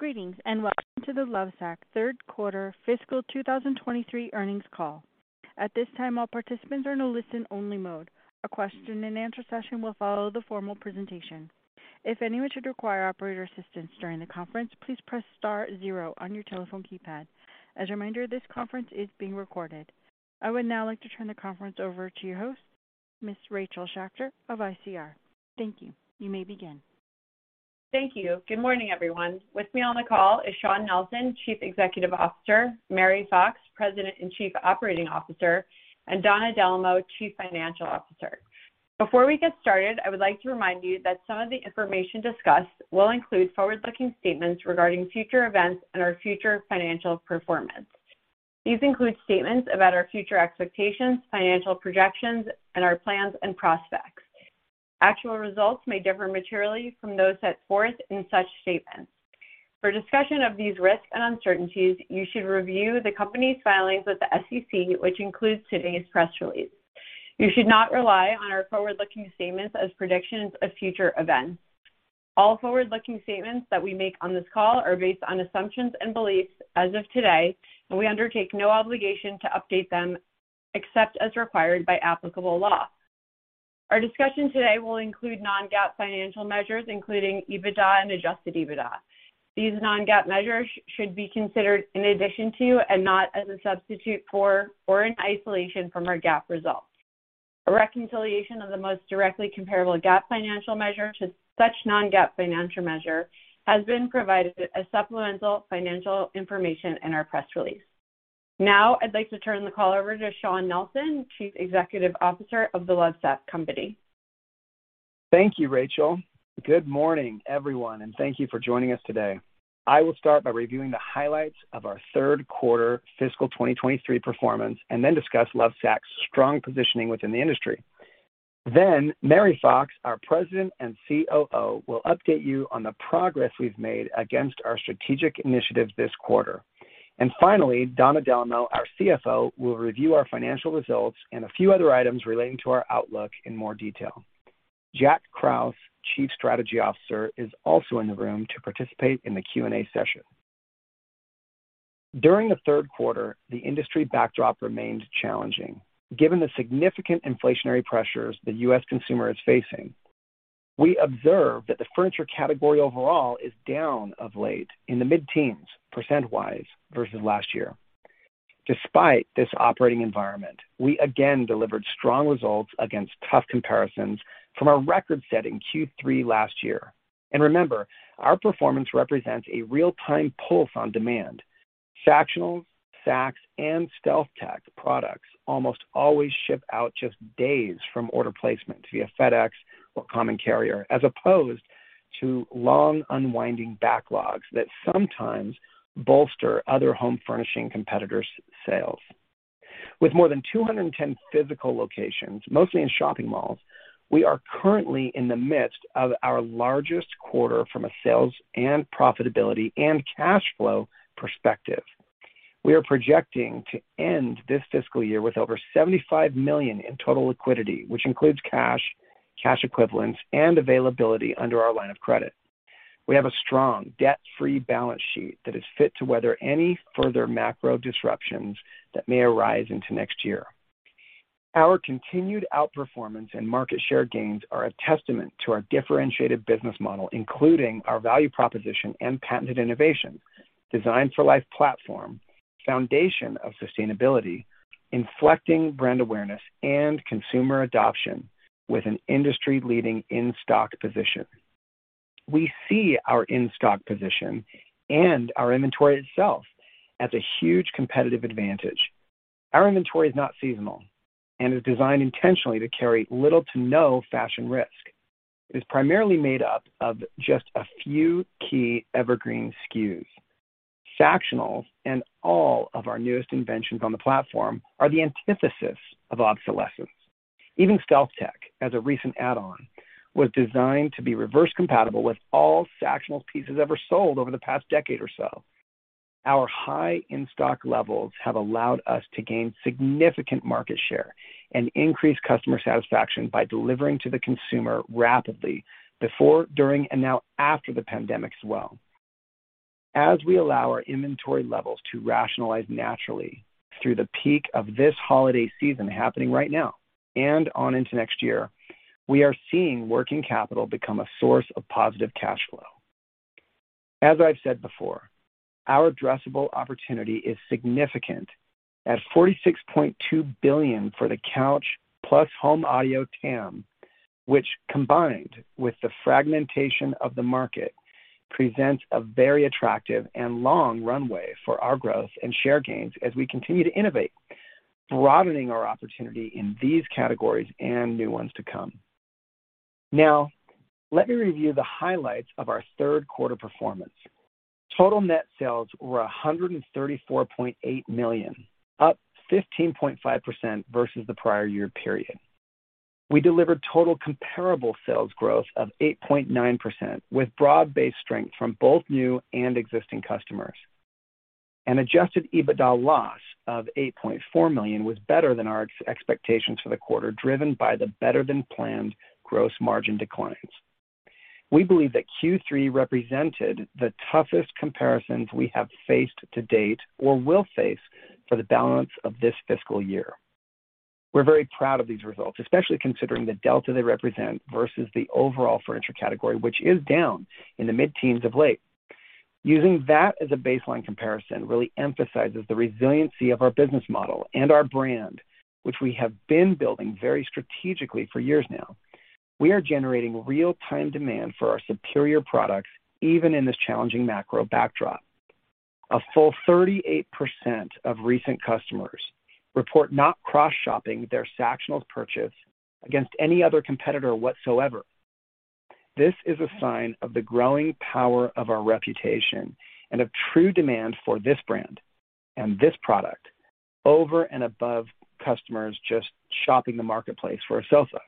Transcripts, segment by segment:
Greetings, welcome to the Lovesac third quarter fiscal 2023 earnings call. At this time, all participants are in a listen-only mode. A question and answer session will follow the formal presentation. If anyone should require operator assistance during the conference, please press star zero on your telephone keypad. As a reminder, this conference is being recorded. I would now like to turn the conference over to your host, Ms. Rachel Schacter of ICR. Thank you. You may begin. Thank you. Good morning, everyone. With me on the call is Shawn Nelson, Chief Executive Officer, Mary Fox, President and Chief Operating Officer, and Donna Dellomo, Chief Financial Officer. Before we get started, I would like to remind you that some of the information discussed will include forward-looking statements regarding future events and our future financial performance. These include statements about our future expectations, financial projections, and our plans and prospects. Actual results may differ materially from those set forth in such statements. For discussion of these risks and uncertainties, you should review the company's filings with the SEC, which includes today's press release. You should not rely on our forward-looking statements as predictions of future events. All forward-looking statements that we make on this call are based on assumptions and beliefs as of today, and we undertake no obligation to update them except as required by applicable law. Our discussion today will include non-GAAP financial measures, including EBITDA and adjusted EBITDA. These non-GAAP measures should be considered in addition to and not as a substitute for or an isolation from our GAAP results. A reconciliation of the most directly comparable GAAP financial measure to such non-GAAP financial measure has been provided as supplemental financial information in our press release. I'd like to turn the call over to Shawn Nelson, Chief Executive Officer of The Lovesac Company. Thank you, Rachel. Good morning, everyone, and thank you for joining us today. I will start by reviewing the highlights of our third quarter fiscal 2023 performance and then discuss Lovesac's strong positioning within the industry. Mary Fox, our President and COO, will update you on the progress we've made against our strategic initiatives this quarter. Finally, Donna Dellomo, our CFO, will review our financial results and a few other items relating to our outlook in more detail. Jack Krause, Chief Strategy Officer, is also in the room to participate in the Q&A session. During the third quarter, the industry backdrop remained challenging. Given the significant inflationary pressures the U.S. consumer is facing, we observed that the furniture category overall is down of late in the mid-teens percent-wise versus last year. Despite this operating environment, we again delivered strong results against tough comparisons from our record-setting Q3 last year. Remember, our performance represents a real-time pulse on demand. Sactionals, Sacs, and StealthTech products almost always ship out just days from order placement via FedEx or common carrier, as opposed to long, unwinding backlogs that sometimes bolster other home furnishing competitors' sales. With more than 210 physical locations, mostly in shopping malls, we are currently in the midst of our largest quarter from a sales and profitability and cash flow perspective. We are projecting to end this fiscal year with over $75 million in total liquidity, which includes cash equivalents, and availability under our line of credit. We have a strong debt-free balance sheet that is fit to weather any further macro disruptions that may arise into next year. Our continued outperformance and market share gains are a testament to our differentiated business model, including our value proposition and patented innovation, Designed for Life platform, foundation of sustainability, inflecting brand awareness and consumer adoption with an industry-leading in-stock position. We see our in-stock position and our inventory itself as a huge competitive advantage. Our inventory is not seasonal and is designed intentionally to carry little to no fashion risk. It's primarily made up of just a few key evergreen SKUs. Sactionals and all of our newest inventions on the platform are the antithesis of obsolescence. Even StealthTech, as a recent add-on, was designed to be reverse compatible with all Sactionals pieces ever sold over the past decade or so. Our high in-stock levels have allowed us to gain significant market share and increase customer satisfaction by delivering to the consumer rapidly before, during, and now after the pandemic swell. As we allow our inventory levels to rationalize naturally through the peak of this holiday season happening right now and on into next year, we are seeing working capital become a source of positive cash flow. As I've said before, our addressable opportunity is significant at $46.2 billion for the couch plus home audio TAM, which, combined with the fragmentation of the market, presents a very attractive and long runway for our growth and share gains as we continue to innovate, broadening our opportunity in these categories and new ones to come. Now, let me review the highlights of our third quarter performance. Total net sales were $134.8 million, up 15.5% versus the prior year period. We delivered total comparable sales growth of 8.9% with broad-based strength from both new and existing customers. An adjusted EBITDA loss of $8.4 million was better than our expectations for the quarter, driven by the better-than-planned gross margin declines. We believe that Q3 represented the toughest comparisons we have faced to date, or will face for the balance of this fiscal year. We're very proud of these results, especially considering the delta they represent versus the overall furniture category, which is down in the mid-teens of late. Using that as a baseline comparison really emphasizes the resiliency of our business model and our brand, which we have been building very strategically for years now. We are generating real-time demand for our superior products, even in this challenging macro backdrop. A full 38% of recent customers report not cross-shopping their Sactionals purchase against any other competitor whatsoever. This is a sign of the growing power of our reputation and a true demand for this brand and this product over and above customers just shopping the marketplace for a sofa.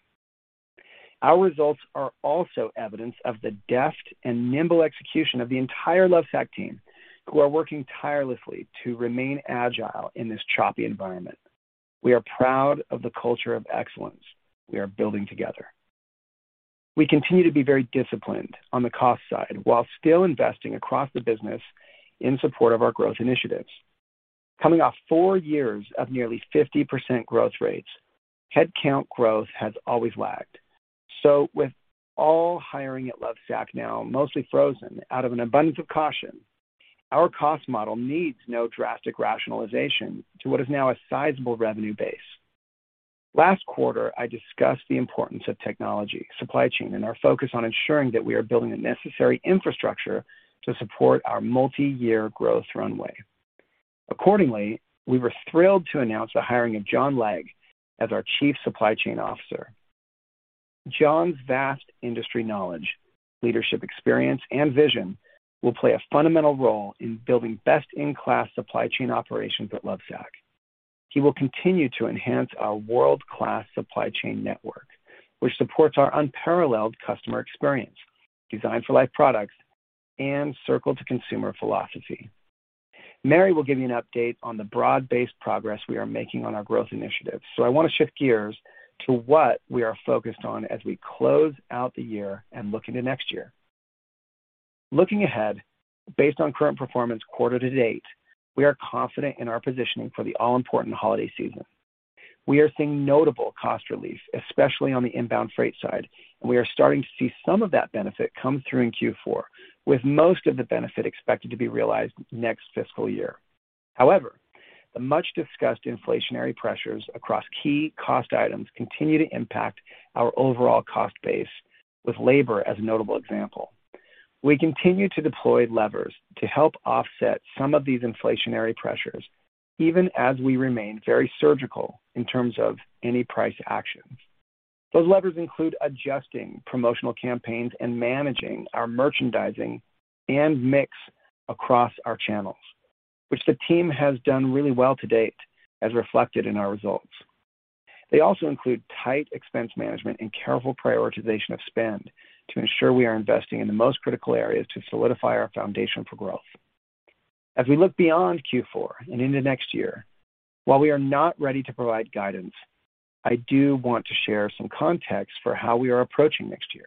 Our results are also evidence of the deft and nimble execution of the entire Lovesac team, who are working tirelessly to remain agile in this choppy environment. We are proud of the culture of excellence we are building together. We continue to be very disciplined on the cost side, while still investing across the business in support of our growth initiatives. Coming off four years of nearly 50% growth rates, headcount growth has always lagged. With all hiring at Lovesac now mostly frozen out of an abundance of caution, our cost model needs no drastic rationalization to what is now a sizable revenue base. Last quarter, I discussed the importance of technology supply chain and our focus on ensuring that we are building the necessary infrastructure to support our multi-year growth runway. Accordingly, we were thrilled to announce the hiring of John Legg as our Chief Supply Chain Officer. John's vast industry knowledge, leadership experience, and vision will play a fundamental role in building best-in-class supply chain operations at Lovesac. He will continue to enhance our world-class supply chain network, which supports our unparalleled customer experience, Designed for Life products, and Circle to Consumer philosophy. Mary will give you an update on the broad-based progress we are making on our growth initiatives. I wanna shift gears to what we are focused on as we close out the year and look into next year. Looking ahead, based on current performance quarter to date, we are confident in our positioning for the all-important holiday season. We are seeing notable cost relief, especially on the inbound freight side, and we are starting to see some of that benefit come through in Q4, with most of the benefit expected to be realized next fiscal year. However, the much-discussed inflationary pressures across key cost items continue to impact our overall cost base, with labor as a notable example. We continue to deploy levers to help offset some of these inflationary pressures, even as we remain very surgical in terms of any price actions. Those levers include adjusting promotional campaigns and managing our merchandising and mix across our channels, which the team has done really well to date, as reflected in our results. They also include tight expense management and careful prioritization of spend to ensure we are investing in the most critical areas to solidify our foundation for growth. As we look beyond Q4 and into next year, while we are not ready to provide guidance, I do want to share some context for how we are approaching next year.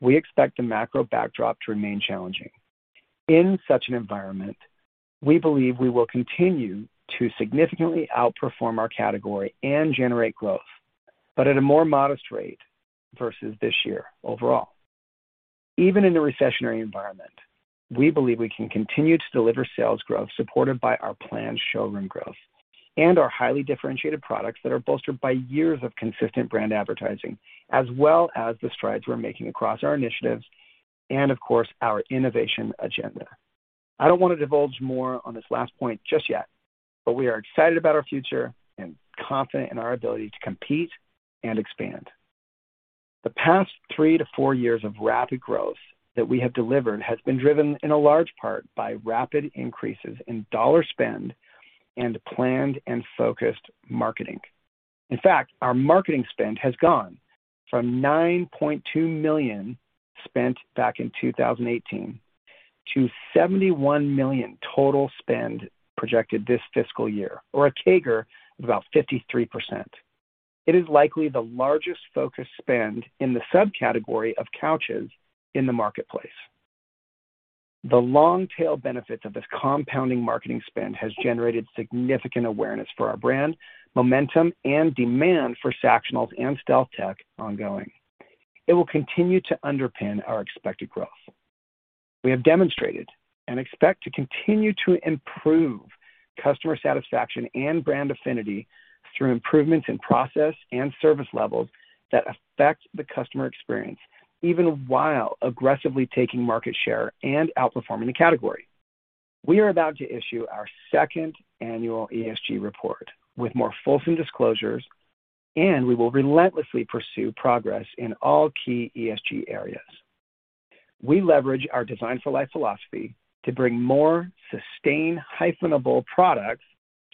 We expect the macro backdrop to remain challenging. In such an environment, we believe we will continue to significantly outperform our category and generate growth, but at a more modest rate versus this year overall. Even in a recessionary environment, we believe we can continue to deliver sales growth supported by our planned showroom growth and our highly differentiated products that are bolstered by years of consistent brand advertising, as well as the strides we're making across our initiatives and, of course, our innovation agenda. I don't wanna divulge more on this last point just yet, but we are excited about our future and confident in our ability to compete and expand. The past three to four years of rapid growth that we have delivered has been driven in a large part by rapid increases in dollar spend and planned and focused marketing. In fact, our marketing spend has gone from $9.2 million spent back in 2018 to $71 million total spend projected this fiscal year, or a CAGR of about 53%. It is likely the largest focused spend in the subcategory of couches in the marketplace. The long tail benefits of this compounding marketing spend has generated significant awareness for our brand, momentum, and demand for Sactionals and StealthTech ongoing. It will continue to underpin our expected growth. We have demonstrated and expect to continue to improve customer satisfaction and brand affinity through improvements in process and service levels that affect the customer experience, even while aggressively taking market share and outperforming the category. We are about to issue our second annual ESG report with more fulsome disclosures. We will relentlessly pursue progress in all key ESG areas. We leverage our Designed for Life philosophy to bring more sustain-hyphenable products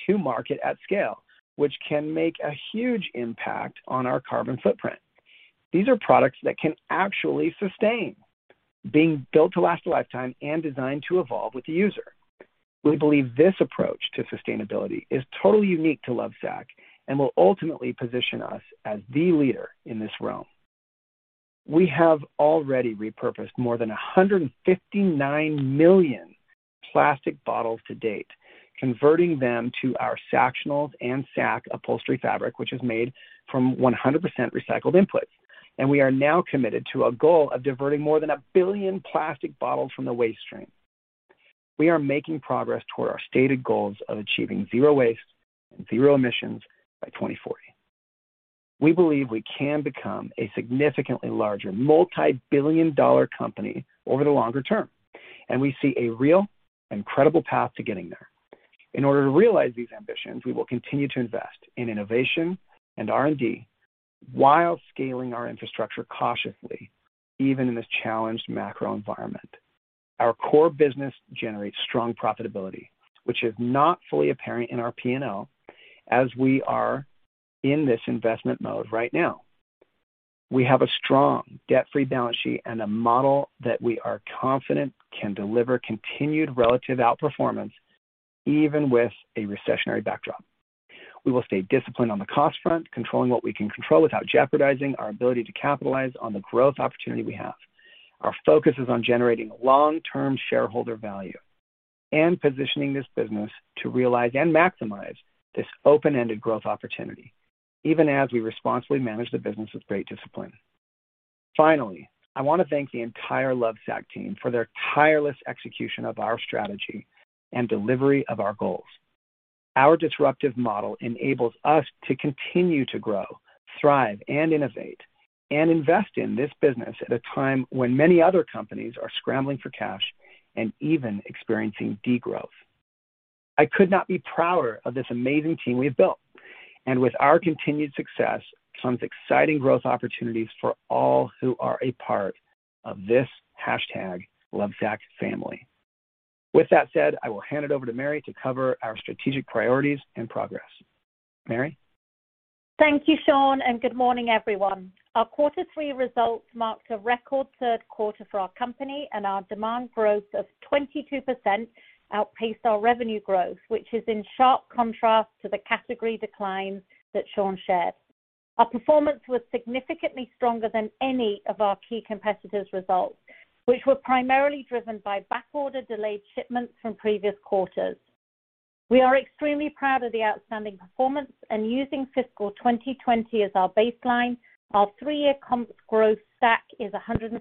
to market at scale, which can make a huge impact on our carbon footprint. These are products that can actually sustain being built to last a lifetime and designed to evolve with the user. We believe this approach to sustainability is totally unique to Lovesac and will ultimately position us as the leader in this realm. We have already repurposed more than 159 million plastic bottles to date, converting them to our Sactionals and Sac upholstery fabric, which is made from 100% recycled inputs. We are now committed to a goal of diverting more than 1 billion plastic bottles from the waste stream. We are making progress toward our stated goals of achieving zero waste and zero emissions by 2040. We believe we can become a significantly larger multi-billion dollar company over the longer term, and we see a real incredible path to getting there. In order to realize these ambitions, we will continue to invest in innovation and R&D while scaling our infrastructure cautiously, even in this challenged macro environment. Our core business generates strong profitability, which is not fully apparent in our P&L as we are in this investment mode right now. We have a strong debt-free balance sheet and a model that we are confident can deliver continued relative outperformance even with a recessionary backdrop. We will stay disciplined on the cost front, controlling what we can control without jeopardizing our ability to capitalize on the growth opportunity we have. Our focus is on generating long-term shareholder value and positioning this business to realize and maximize this open-ended growth opportunity even as we responsibly manage the business with great discipline. Finally, I want to thank the entire Lovesac team for their tireless execution of our strategy and delivery of our goals. Our disruptive model enables us to continue to grow, thrive, and innovate and invest in this business at a time when many other companies are scrambling for cash and even experiencing degrowth. I could not be prouder of this amazing team we have built, and with our continued success comes exciting growth opportunities for all who are a part of this hashtag Lovesac family. With that said, I will hand it over to Mary to cover our strategic priorities and progress. Mary. Thank you, Shawn, and good morning, everyone. Our quarter 3 results marked a record third quarter for our company, and our demand growth of 22% outpaced our revenue growth, which is in sharp contrast to the category declines that Shawn shared. Our performance was significantly stronger than any of our key competitors' results, which were primarily driven by backorder delayed shipments from previous quarters. We are extremely proud of the outstanding performance and using fiscal 2020 as our baseline. Our three-year comp growth sac is 146%.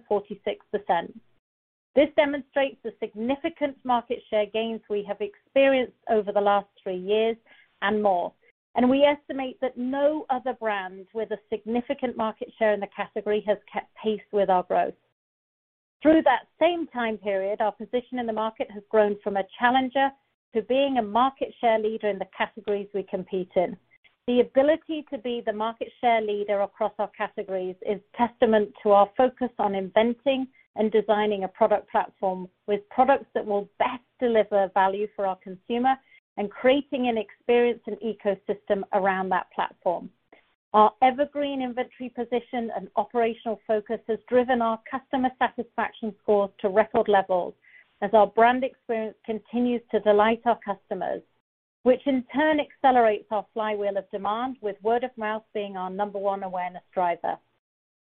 This demonstrates the significant market share gains we have experienced over the last three years and more. We estimate that no other brand with a significant market share in the category has kept pace with our growth. Through that same time period, our position in the market has grown from a challenger to being a market share leader in the categories we compete in. The ability to be the market share leader across our categories is testament to our focus on inventing and designing a product platform with products that will best deliver value for our consumer and creating an experience and ecosystem around that platform. Our evergreen inventory position and operational focus has driven our customer satisfaction scores to record levels as our brand experience continues to delight our customers, which in turn accelerates our flywheel of demand, with word of mouth being our number one awareness driver.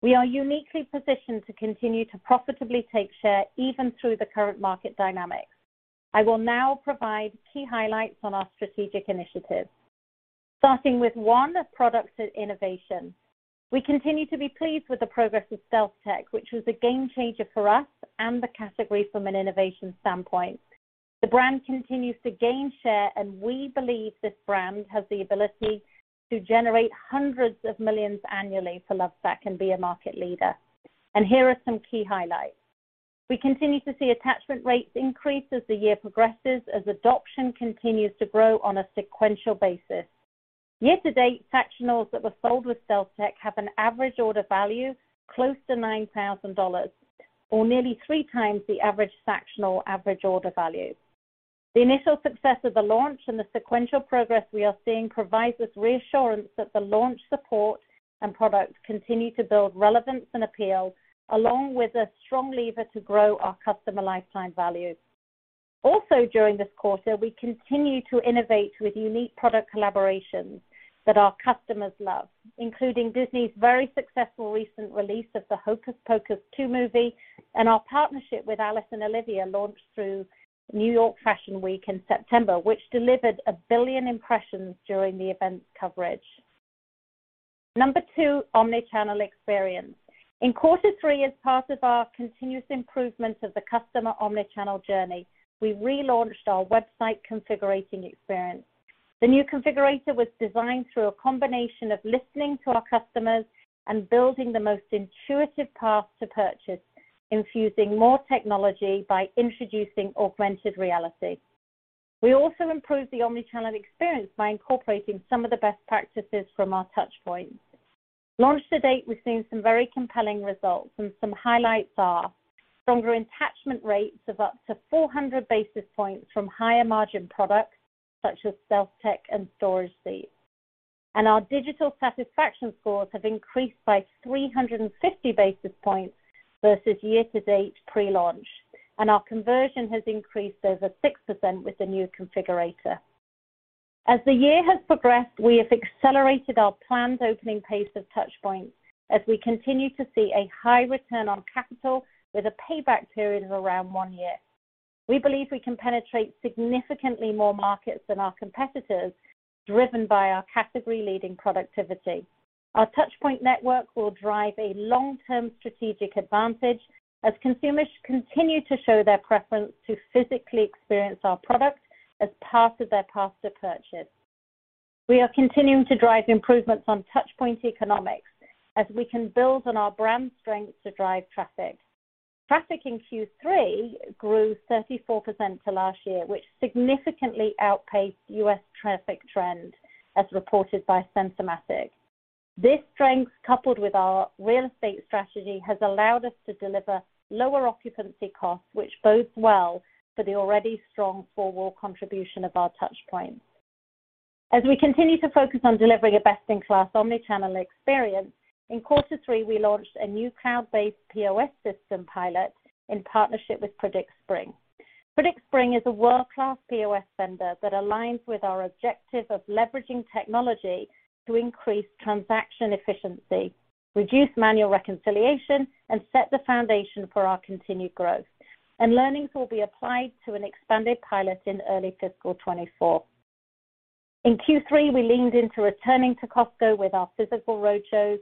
We are uniquely positioned to continue to profitably take share even through the current market dynamics. I will now provide key highlights on our strategic initiatives. Starting with one products and innovation. We continue to be pleased with the progress of StealthTech, which was a game changer for us and the category from an innovation standpoint. The brand continues to gain share, and we believe this brand has the ability to generate hundreds of millions annually for Lovesac and be a market leader. Here are some key highlights. We continue to see attachment rates increase as the year progresses, as adoption continues to grow on a sequential basis. Year-to-date, Sactionals that were sold with StealthTech have an average order value close to $9,000, or nearly three times the average Sactionals average order value. The initial success of the launch and the sequential progress we are seeing provides us reassurance that the launch support and products continue to build relevance and appeal, along with a strong lever to grow our customer lifetime value. Also, during this quarter, we continue to innovate with unique product collaborations that our customers love, including Disney's very successful recent release of the Hocus Pocus 2 movie and our partnership with Alice + Olivia launched through New York Fashion Week in September, which delivered 1 billion impressions during the event's coverage. Number two, omnichannel experience. In quarter 3, as part of our continuous improvement of the customer omnichannel journey, we relaunched our website configurating experience. The new configurator was designed through a combination of listening to our customers and building the most intuitive path to purchase, infusing more technology by introducing augmented reality. We also improved the omnichannel experience by incorporating some of the best practices from our touch points. Launched to date, we've seen some very compelling results and some highlights are. Stronger attachment rates of up to 400 basis points from higher margin products such as StealthTech and Storage Seats. Our digital satisfaction scores have increased by 350 basis points versus year to date pre-launch. Our conversion has increased over 6% with the new configurator. The year has progressed, we have accelerated our planned opening pace of touch points as we continue to see a high return on capital with a payback period of around one year. We believe we can penetrate significantly more markets than our competitors, driven by our category-leading productivity. Our touch point network will drive a long-term strategic advantage as consumers continue to show their preference to physically experience our products as part of their path to purchase. We are continuing to drive improvements on touch point economics as we can build on our brand strength to drive traffic. Traffic in Q3 grew 34% to last year, which significantly outpaced U.S. traffic trend as reported by Sensormatic. This strength, coupled with our real estate strategy, has allowed us to deliver lower occupancy costs, which bodes well for the already strong four wall contribution of our touch points. As we continue to focus on delivering a best-in-class omni-channel experience, in quarter 3, we launched a new cloud-based POS system pilot in partnership with PredictSpring. PredictSpring is a world-class POS vendor that aligns with our objective of leveraging technology to increase transaction efficiency, reduce manual reconciliation, and set the foundation for our continued growth, and learnings will be applied to an expanded pilot in early fiscal 2024. In Q3, we leaned into returning to Costco with our physical road shows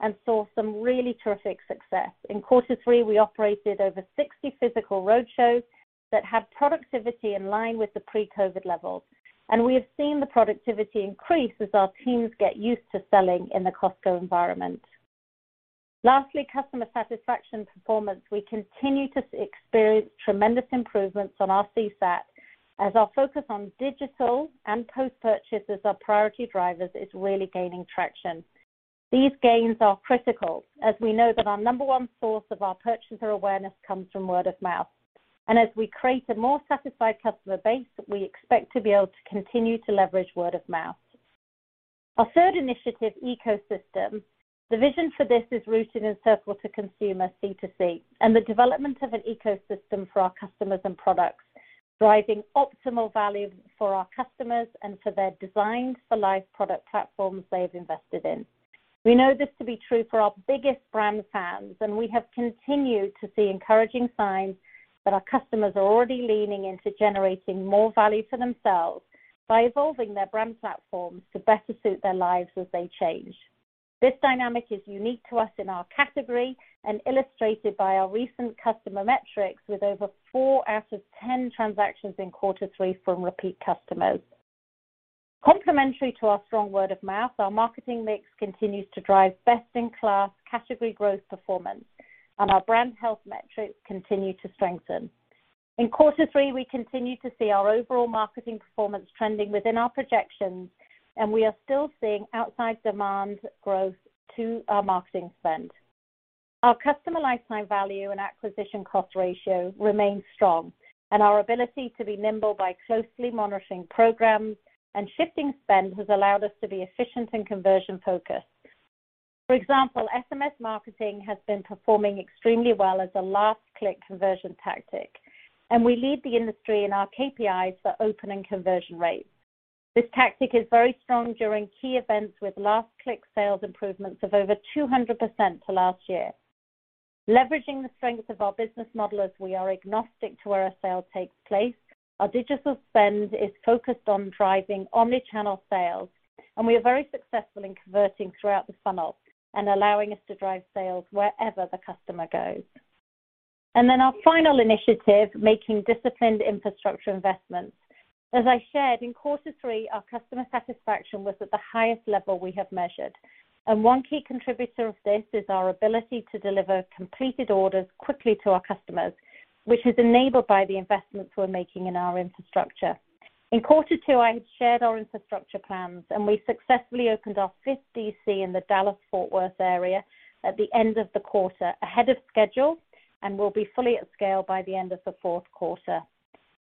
and saw some really terrific success. In quarter 3, we operated over 60 physical road shows that had productivity in line with the pre-COVID levels, and we have seen the productivity increase as our teams get used to selling in the Costco environment. Lastly, customer satisfaction performance. We continue to experience tremendous improvements on our CSAT as our focus on digital and post-purchase as our priority drivers is really gaining traction. These gains are critical as we know that our number one source of our purchaser awareness comes from word of mouth. As we create a more satisfied customer base, we expect to be able to continue to leverage word of mouth. Our third initiative, ecosystem. The vision for this is rooted in Circle to Consumer, C2C, and the development of an ecosystem for our customers and products, driving optimal value for our customers and for their Designed for Life product platforms they've invested in. We know this to be true for our biggest brand fans, we have continued to see encouraging signs that our customers are already leaning into generating more value for themselves by evolving their brand platforms to better suit their lives as they change. This dynamic is unique to us in our category and illustrated by our recent customer metrics with over four out of 10 transactions in quarter 3 from repeat customers. Complementary to our strong word of mouth, our marketing mix continues to drive best-in-class category growth performance, our brand health metrics continue to strengthen. In quarter 3, we continue to see our overall marketing performance trending within our projections, and we are still seeing outside demand growth to our marketing spend. Our customer lifetime value and acquisition cost ratio remains strong, and our ability to be nimble by closely monitoring programs and shifting spend has allowed us to be efficient and conversion-focused. For example, SMS marketing has been performing extremely well as a last-click conversion tactic, and we lead the industry in our KPIs for open and conversion rates. This tactic is very strong during key events with last-click sales improvements of over 200% to last year. Leveraging the strength of our business model as we are agnostic to where a sale takes place, our digital spend is focused on driving omni-channel sales. We are very successful in converting throughout the funnel and allowing us to drive sales wherever the customer goes. Our final initiative, making disciplined infrastructure investments. As I shared in quarter 3, our customer satisfaction was at the highest level we have measured. One key contributor of this is our ability to deliver completed orders quickly to our customers, which is enabled by the investments we're making in our infrastructure. In quarter 2, I had shared our infrastructure plans. We successfully opened our fifth DC in the Dallas-Fort Worth area at the end of the quarter, ahead of schedule. We will be fully at scale by the end of the fourth quarter.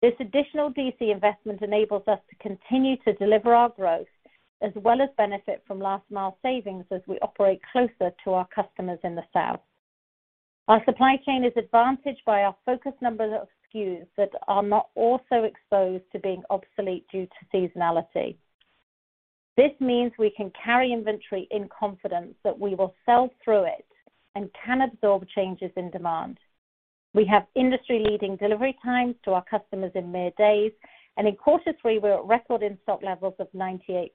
This additional D.C. investment enables us to continue to deliver our growth as well as benefit from last mile savings as we operate closer to our customers in the south. Our supply chain is advantaged by our focused number of SKUs that are not also exposed to being obsolete due to seasonality. This means we can carry inventory in confidence that we will sell through it and can absorb changes in demand. We have industry-leading delivery times to our customers in mere days, and in quarter 3, we're at record in-stock levels of 98%.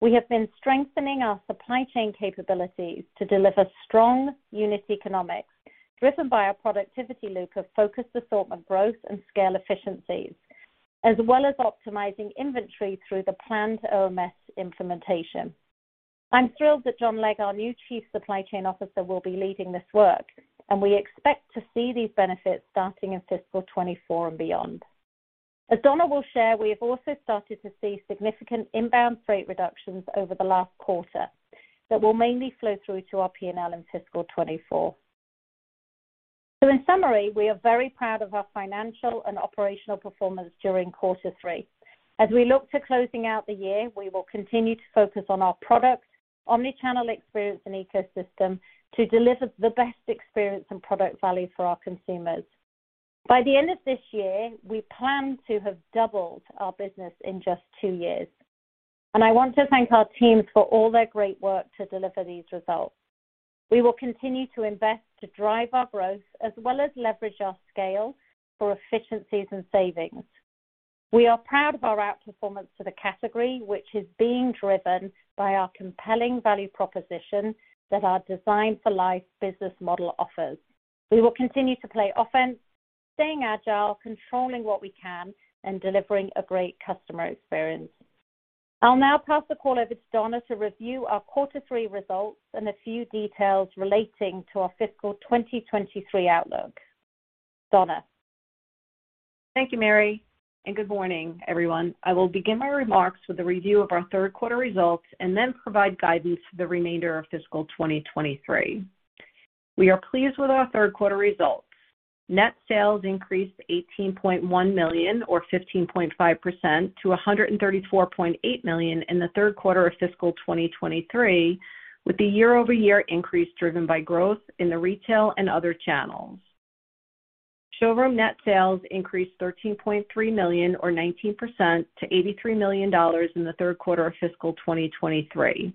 We have been strengthening our supply chain capabilities to deliver strong unit economics driven by our productivity loop of focused assortment growth and scale efficiencies, as well as optimizing inventory through the planned OMS implementation. I'm thrilled that John Legg, our new Chief Supply Chain Officer, will be leading this work, and we expect to see these benefits starting in fiscal 2024 and beyond. As Donna will share, we have also started to see significant inbound freight reductions over the last quarter that will mainly flow through to our PNL in fiscal 2024. In summary, we are very proud of our financial and operational performance during quarter 3. As we look to closing out the year, we will continue to focus on our products, omnichannel experience, and ecosystem to deliver the best experience and product value for our consumers. By the end of this year, we plan to have doubled our business in just two years. I want to thank our teams for all their great work to deliver these results. We will continue to invest to drive our growth as well as leverage our scale for efficiencies and savings. We are proud of our outperformance to the category, which is being driven by our compelling value proposition that our Designed for Life business model offers. We will continue to play offense, staying agile, controlling what we can, and delivering a great customer experience. I'll now pass the call over to Donna to review our quarter 3 results and a few details relating to our fiscal 2023 outlook. Donna? Thank you, Mary. Good morning, everyone. I will begin my remarks with a review of our third quarter results and then provide guidance for the remainder of fiscal 2023. We are pleased with our third quarter results. Net sales increased $18.1 million or 15.5% to $134.8 million in the third quarter of fiscal 2023, with the year-over-year increase driven by growth in the retail and other channels. Showroom net sales increased $13.3 million or 19% to $83 million in the third quarter of fiscal 2023.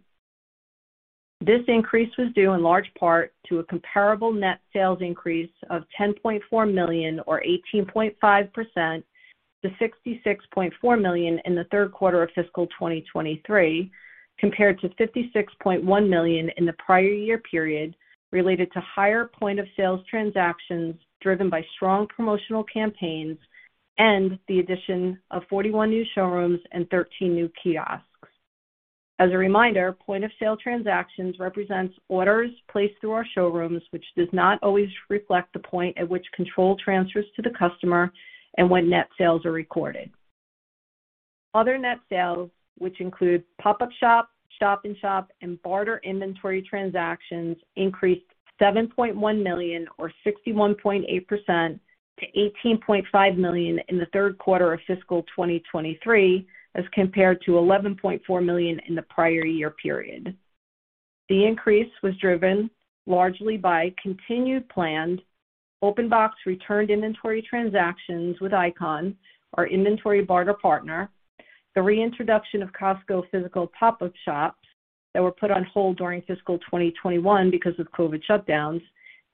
This increase was due in large part to a comparable net sales increase of $10.4 million or 18.5% to $66.4 million in the third quarter of fiscal 2023, compared to $56.1 million in the prior year period, related to higher point of sale transactions driven by strong promotional campaigns and the addition of 41 new showrooms and 13 new kiosks. As a reminder, point of sale transactions represents orders placed through our showrooms, which does not always reflect the point at which control transfers to the customer and when net sales are recorded. Other net sales, which include pop-up shop in shop, and barter inventory transactions increased $7.1 million or 61.8% to $18.5 million in the third quarter of fiscal 2023 as compared to $11.4 million in the prior year period. The increase was driven largely by continued planned open box returned inventory transactions with Icon, our inventory barter partner, the reintroduction of Costco physical pop-up shops that were put on hold during fiscal 2021 because of COVID shutdowns,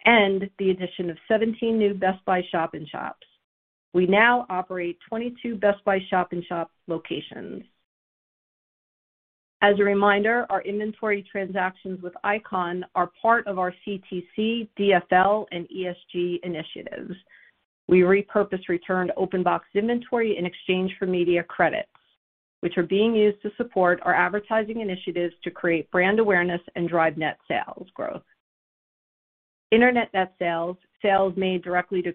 and the addition of 17 new Best Buy shop in shops. We now operate 22 Best Buy shop in shop locations. As a reminder, our inventory transactions with Icon are part of our CTC, DFL, and ESG initiatives. We repurpose returned open box inventory in exchange for media credits, which are being used to support our advertising initiatives to create brand awareness and drive net sales growth. Internet net sales made directly to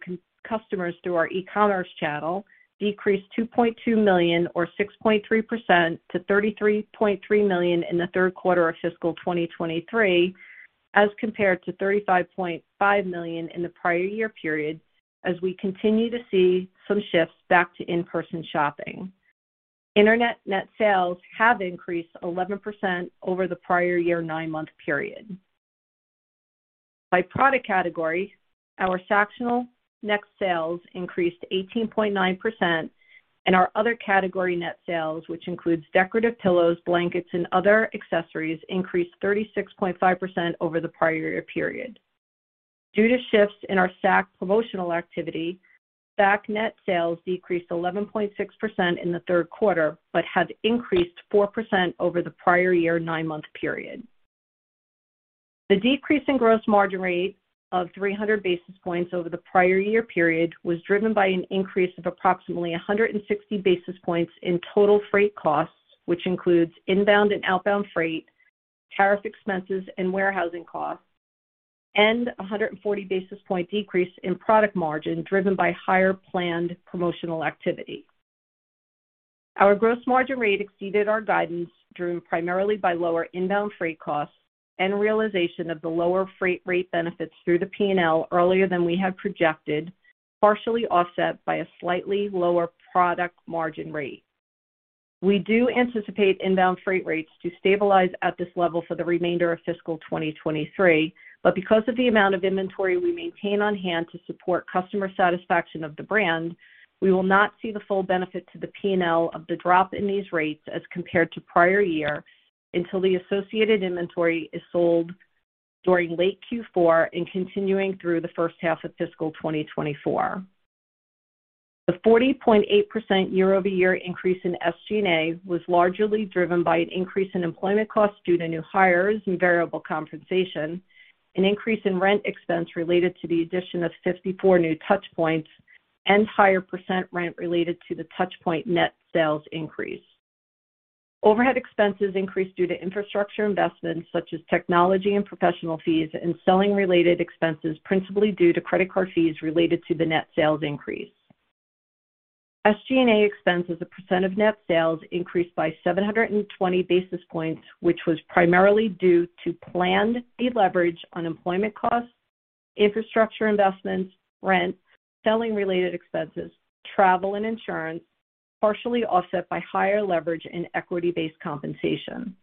customers through our e-commerce channel, decreased $2.2 million or 6.3% to $33.3 million in the third quarter of fiscal 2023, as compared to $35.5 million in the prior year period as we continue to see some shifts back to in-person shopping. Internet net sales have increased 11% over the prior year 9-month period. By product category, our Sactional net sales increased 18.9% and our other category net sales, which includes decorative pillows, blankets, and other accessories, increased 36.5% over the prior year period. Due to shifts in our Sac promotional activity, Sac net sales decreased 11.6% in the third quarter, but have increased 4% over the prior year 9-month period. The decrease in gross margin rate of 300 basis points over the prior year period was driven by an increase of approximately 160 basis points in total freight costs, which includes inbound and outbound freight, tariff expenses, and warehousing costs, and a 140 basis point decrease in product margin driven by higher planned promotional activity. Our gross margin rate exceeded our guidance, driven primarily by lower inbound freight costs and realization of the lower freight rate benefits through the PNL earlier than we had projected, partially offset by a slightly lower product margin rate. We do anticipate inbound freight rates to stabilize at this level for the remainder of fiscal 2023. Because of the amount of inventory we maintain on hand to support customer satisfaction of the brand, we will not see the full benefit to the PNL of the drop in these rates as compared to prior year until the associated inventory is sold during late Q4 and continuing through the first half of fiscal 2024. The 40.8% year-over-year increase in SG&A was largely driven by an increase in employment costs due to new hires and variable compensation, an increase in rent expense related to the addition of 54 new touch points, and higher percent rent related to the touch point net sales increase. Overhead expenses increased due to infrastructure investments such as technology and professional fees and selling related expenses, principally due to credit card fees related to the net sales increase. SG&A expense as a % of net sales increased by 720 basis points, which was primarily due to planned deleverage on employment costs, infrastructure investments, rent, selling related expenses, travel and insurance, partially offset by higher leverage and equity-based compensation.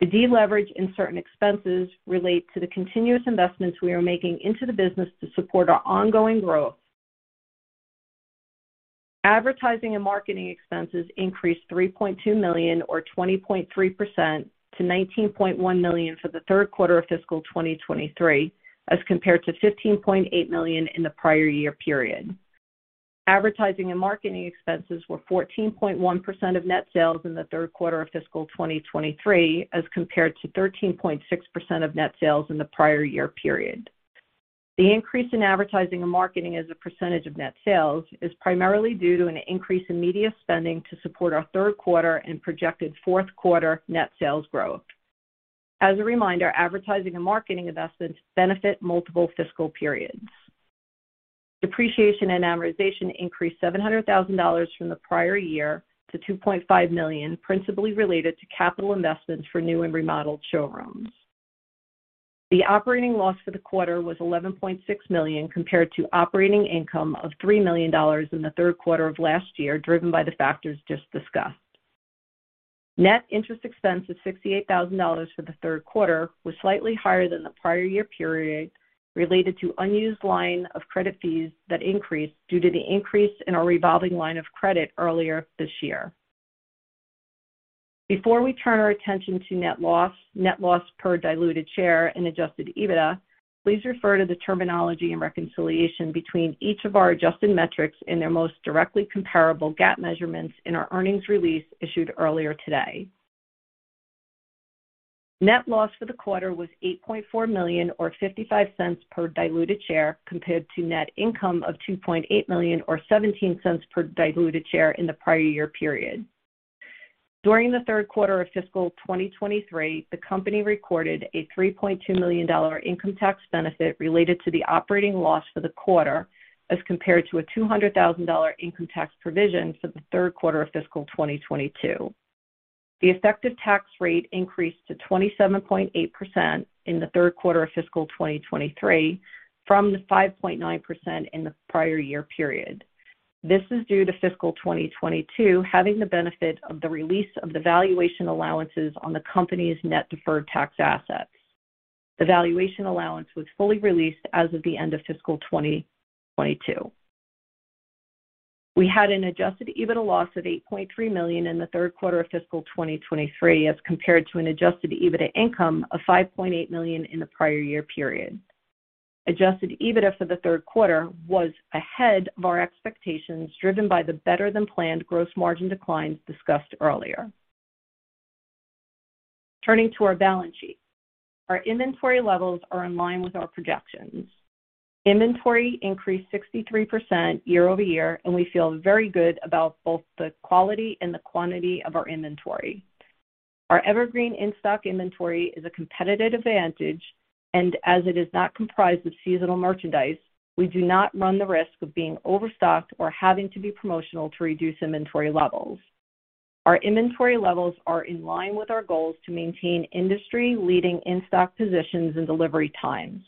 The deleverage in certain expenses relate to the continuous investments we are making into the business to support our ongoing growth. Advertising and marketing expenses increased $3.2 million or 20.3% to $19.1 million for the third quarter of fiscal 2023 as compared to $15.8 million in the prior year period. Advertising and marketing expenses were 14.1% of net sales in the third quarter of fiscal 2023 as compared to 13.6% of net sales in the prior year period. The increase in advertising and marketing as a percentage of net sales is primarily due to an increase in media spending to support our third quarter and projected fourth quarter net sales growth. As a reminder, advertising and marketing investments benefit multiple fiscal periods. Depreciation and amortization increased $700,000 from the prior year to $2.5 million, principally related to capital investments for new and remodeled showrooms. The operating loss for the quarter was $11.6 million compared to operating income of $3 million in the third quarter of last year, driven by the factors just discussed. Net interest expense of $68,000 for the third quarter was slightly higher than the prior year period, related to unused line of credit fees that increased due to the increase in our revolving line of credit earlier this year. Before we turn our attention to net loss, net loss per diluted share and adjusted EBITDA, please refer to the terminology and reconciliation between each of our adjusted metrics and their most directly comparable GAAP measurements in our earnings release issued earlier today. Net loss for the quarter was $8.4 million or $0.55 per diluted share, compared to net income of $2.8 million or $0.17 per diluted share in the prior year period. During the third quarter of fiscal 2023, the company recorded a $3.2 million income tax benefit related to the operating loss for the quarter, as compared to a $200,000 income tax provision for the third quarter of fiscal 2022. The effective tax rate increased to 27.8% in the third quarter of fiscal 2023 from the 5.9% in the prior year period. This is due to fiscal 2022 having the benefit of the release of the valuation allowances on the company's net deferred tax assets. The valuation allowance was fully released as of the end of fiscal 2022. We had an adjusted EBITDA loss of $8.3 million in the third quarter of fiscal 2023, as compared to an adjusted EBITDA income of $5.8 million in the prior year period. Adjusted EBITDA for the third quarter was ahead of our expectations, driven by the better-than-planned gross margin declines discussed earlier. Turning to our balance sheet. Our inventory levels are in line with our projections. Inventory increased 63% year-over-year, and we feel very good about both the quality and the quantity of our inventory. Our evergreen in-stock inventory is a competitive advantage, and as it is not comprised of seasonal merchandise, we do not run the risk of being overstocked or having to be promotional to reduce inventory levels. Our inventory levels are in line with our goals to maintain industry-leading in-stock positions and delivery times.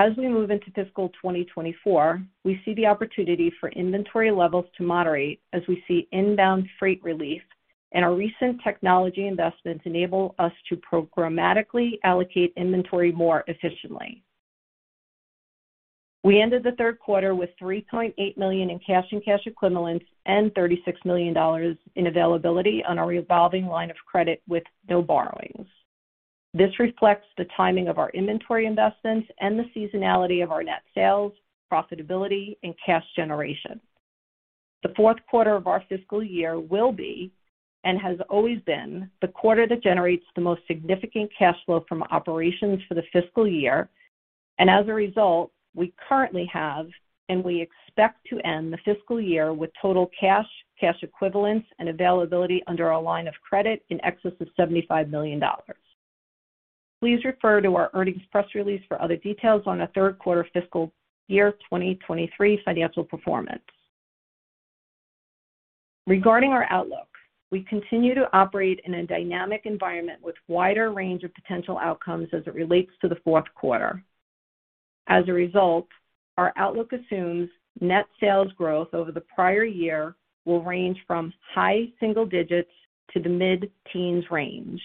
As we move into fiscal 2024, we see the opportunity for inventory levels to moderate as we see inbound freight relief and our recent technology investments enable us to programmatically allocate inventory more efficiently. We ended the third quarter with $3.8 million in cash and cash equivalents and $36 million in availability on our revolving line of credit with no borrowings. This reflects the timing of our inventory investments and the seasonality of our net sales, profitability and cash generation. The fourth quarter of our fiscal year will be, and has always been, the quarter that generates the most significant cash flow from operations for the fiscal year. As a result, we currently have, and we expect to end the fiscal year with total cash equivalents and availability under our line of credit in excess of $75 million. Please refer to our earnings press release for other details on the third quarter fiscal year 2023 financial performance. Regarding our outlook, we continue to operate in a dynamic environment with wider range of potential outcomes as it relates to the fourth quarter. As a result, our outlook assumes net sales growth over the prior year will range from high single digits to the mid-teens range.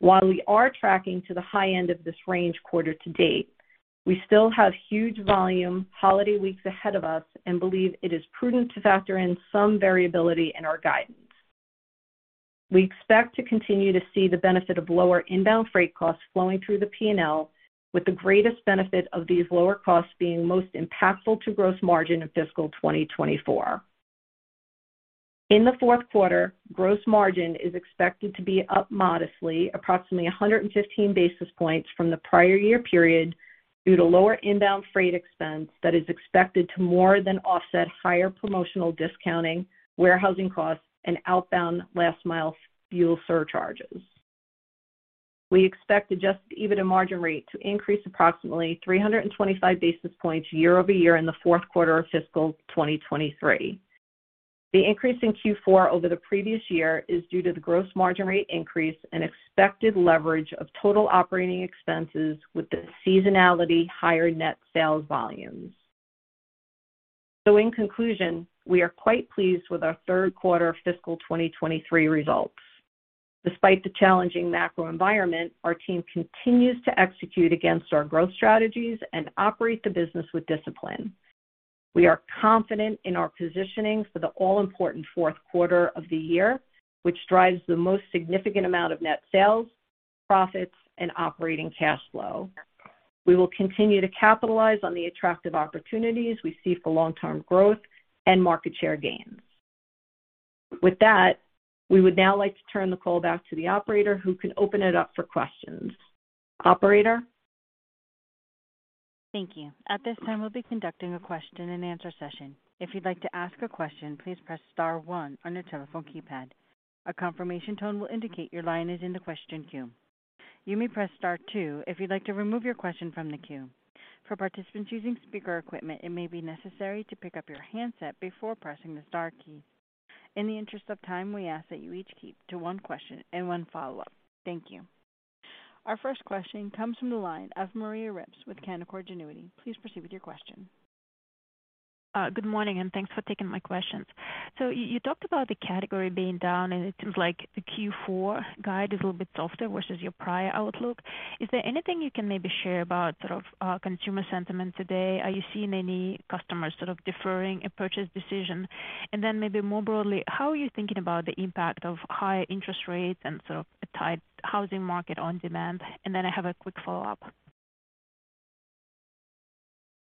While we are tracking to the high end of this range quarter to date, we still have huge volume holiday weeks ahead of us and believe it is prudent to factor in some variability in our guidance. We expect to continue to see the benefit of lower inbound freight costs flowing through the P&L, with the greatest benefit of these lower costs being most impactful to gross margin in fiscal 2024. In the fourth quarter, gross margin is expected to be up modestly approximately 115 basis points from the prior year period due to lower inbound freight expense that is expected to more than offset higher promotional discounting, warehousing costs, and outbound last mile fuel surcharges. We expect adjusted EBITDA margin rate to increase approximately 325 basis points year-over-year in the fourth quarter of fiscal 2023. The increase in Q4 over the previous year is due to the gross margin rate increase and expected leverage of total operating expenses with the seasonality higher net sales volumes. In conclusion, we are quite pleased with our third quarter fiscal 2023 results. Despite the challenging macro environment, our team continues to execute against our growth strategies and operate the business with discipline. We are confident in our positioning for the all-important fourth quarter of the year, which drives the most significant amount of net sales, profits, and operating cash flow. We will continue to capitalize on the attractive opportunities we see for long-term growth and market share gains. With that, we would now like to turn the call back to the operator who can open it up for questions. Operator? Thank you. At this time, we'll be conducting a question-and-answer session. If you'd like to ask a question, please press star one on your telephone keypad. A confirmation tone will indicate your line is in the question queue. You may press star two if you'd like to remove your question from the queue. For participants using speaker equipment, it may be necessary to pick up your handset before pressing the star key. In the interest of time, we ask that you each keep to one question and one follow-up. Thank you. Our first question comes from the line of Maria Ripps with Canaccord Genuity. Please proceed with your question. Good morning, thanks for taking my questions. You talked about the category being down, it seems like the Q4 guide is a little bit softer versus your prior outlook. Is there anything you can maybe share about sort of consumer sentiment today? Are you seeing any customers sort of deferring a purchase decision? Maybe more broadly, how are you thinking about the impact of higher interest rates and sort of a tight housing market on demand? I have a quick follow-up.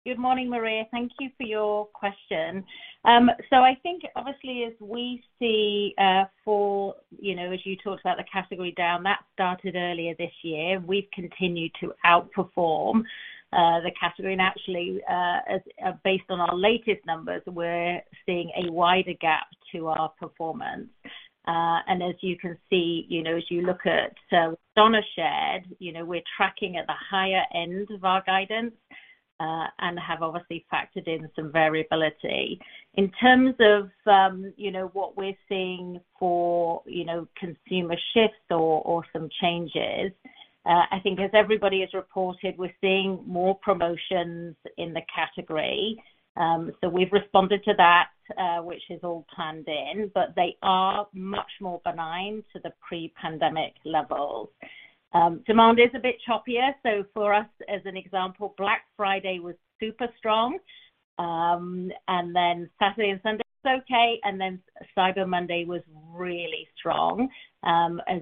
Good morning, Maria. Thank you for your question. I think obviously as we see, for, you know, as you talked about the category down, that started earlier this year, we've continued to outperform the category. Actually, based on our latest numbers, we're seeing a wider gap to our performance. As you can see, you know, as you look at what Donna Dellomo shared, you know, we're tracking at the higher end of our guidance, and have obviously factored in some variability. In terms of, you know, what we're seeing for, you know, consumer shifts or some changes, I think as everybody has reported, we're seeing more promotions in the category. We've responded to that, which is all planned in, but they are much more benign to the pre-pandemic levels. Demand is a bit choppier. For us, as an example, Black Friday was super strong. Saturday and Sunday was okay, Cyber Monday was really strong.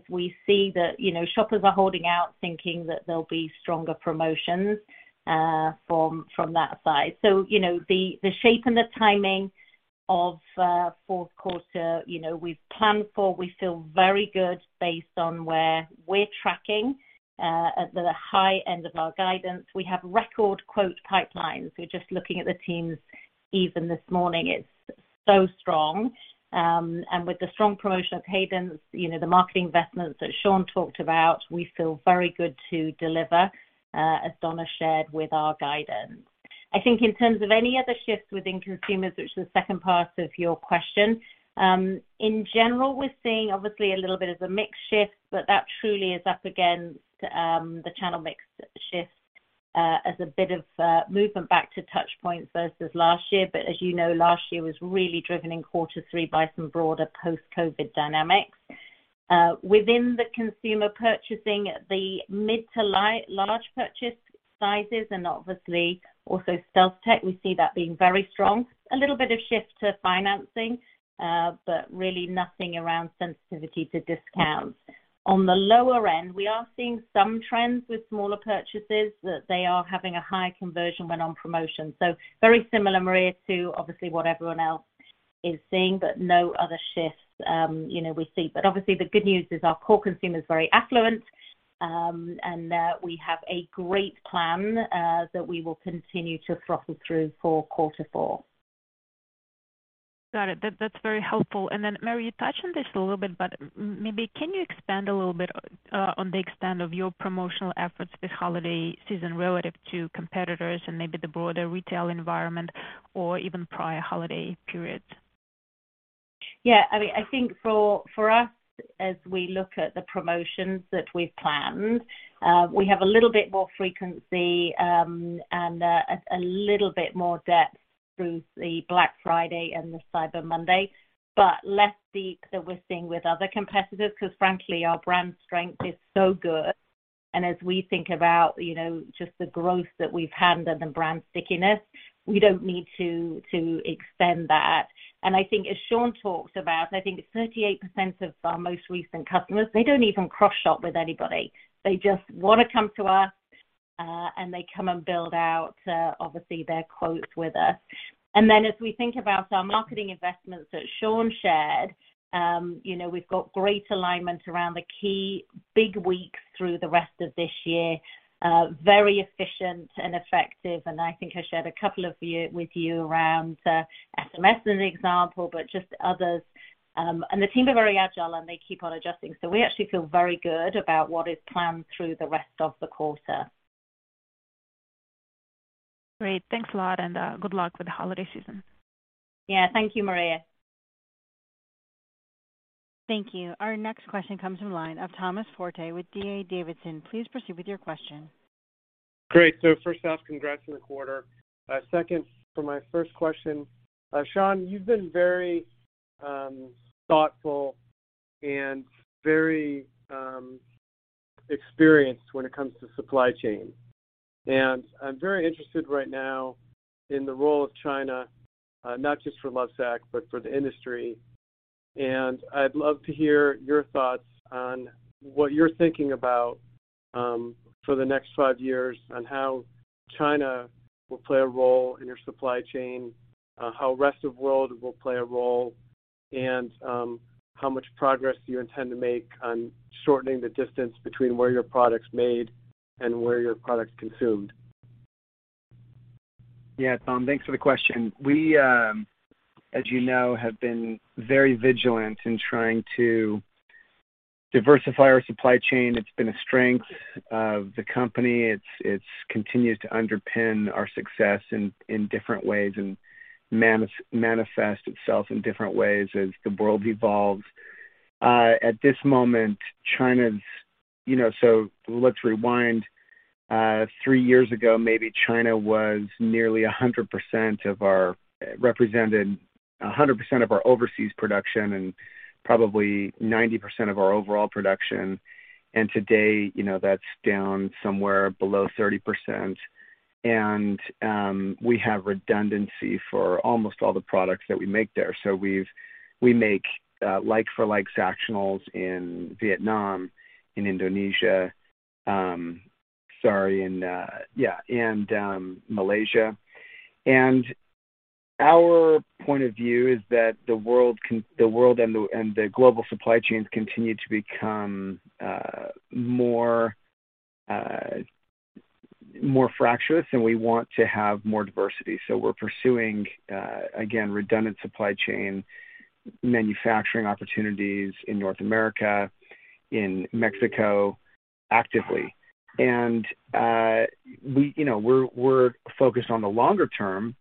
We see that, you know, shoppers are holding out thinking that there'll be stronger promotions, from that side. You know, the shape and the timing of fourth quarter, you know, we've planned for, we feel very good based on where we're tracking, at the high end of our guidance. We have record quote pipelines. We're just looking at the teams even this morning. It's so strong. With the strong promotional cadence, you know, the marketing investments that Shawn talked about, we feel very good to deliver, as Donna shared with our guidance. I think in terms of any other shifts within consumers, which is the second part of your question, in general, we're seeing obviously a little bit of the mix shift, but that truly is up against the channel mix shift as a bit of a movement back to touch points versus last year. As you know, last year was really driven in quarter 3 by some broader post-COVID dynamics. Within the consumer purchasing, the mid to large purchase sizes and obviously also StealthTech, we see that being very strong. A little bit of shift to financing, really nothing around sensitivity to discounts. On the lower end, we are seeing some trends with smaller purchases that they are having a high conversion when on promotion. Very similar, Maria, to obviously what everyone else is seeing, but no other shifts, you know, we see. Obviously the good news is our core consumer is very affluent, and, we have a great plan, that we will continue to throttle through for quarter 4. Got it. That's very helpful. Then, Mary, you touched on this a little bit, but maybe can you expand a little bit on the extent of your promotional efforts this holiday season relative to competitors and maybe the broader retail environment or even prior holiday periods? Yeah, I mean, I think for us, as we look at the promotions that we've planned, we have a little bit more frequency, and a little bit more depth through the Black Friday and the Cyber Monday, but less peak that we're seeing with other competitors, because frankly, our brand strength is so good. As we think about, you know, just the growth that we've had and the brand stickiness, we don't need to extend that. I think as Shawn talked about, I think 38% of our most recent customers, they don't even cross shop with anybody. They just wanna come to us, and they come and build out, obviously their quotes with us. As we think about our marketing investments that Shawn shared, you know, we've got great alignment around the key big weeks through the rest of this year. Very efficient and effective. I think I shared a couple with you around SMS as an example, but just others. The team are very agile, and they keep on adjusting. We actually feel very good about what is planned through the rest of the quarter. Great. Thanks a lot. Good luck with the holiday season. Yeah. Thank you, Maria. Thank you. Our next question comes from line of Thomas Forte with D.A. Davidson. Please proceed with your question. First off, congrats on the quarter. Second, for my first question, Shawn, you've been very thoughtful and very experienced when it comes to supply chain. I'm very interested right now in the role of China, not just for Lovesac, but for the industry. I'd love to hear your thoughts on what you're thinking about for the next five years on how China will play a role in your supply chain, how rest of world will play a role, and how much progress do you intend to make on shortening the distance between where your product's made and where your product's consumed. Yeah. Tom, thanks for the question. We, as you know, have been very vigilant in trying to diversify our supply chain. It's been a strength of the company. It's continued to underpin our success in different ways and manifest itself in different ways as the world evolves. At this moment, China's... You know, let's rewind. three years ago, maybe China was nearly 100% of our... Represented 100% of our overseas production and probably 90% of our overall production. Today, you know, that's down somewhere below 30%. We have redundancy for almost all the products that we make there. We make, like for like Sactionals in Vietnam, in Indonesia, sorry, and, yeah, and Malaysia. Our point of view is that the world can... The world and the, and the global supply chains continue to become more more fracturous, and we want to have more diversity. We're pursuing again, redundant supply chain manufacturing opportunities in North America, in Mexico, actively. You know, we're focused on the longer term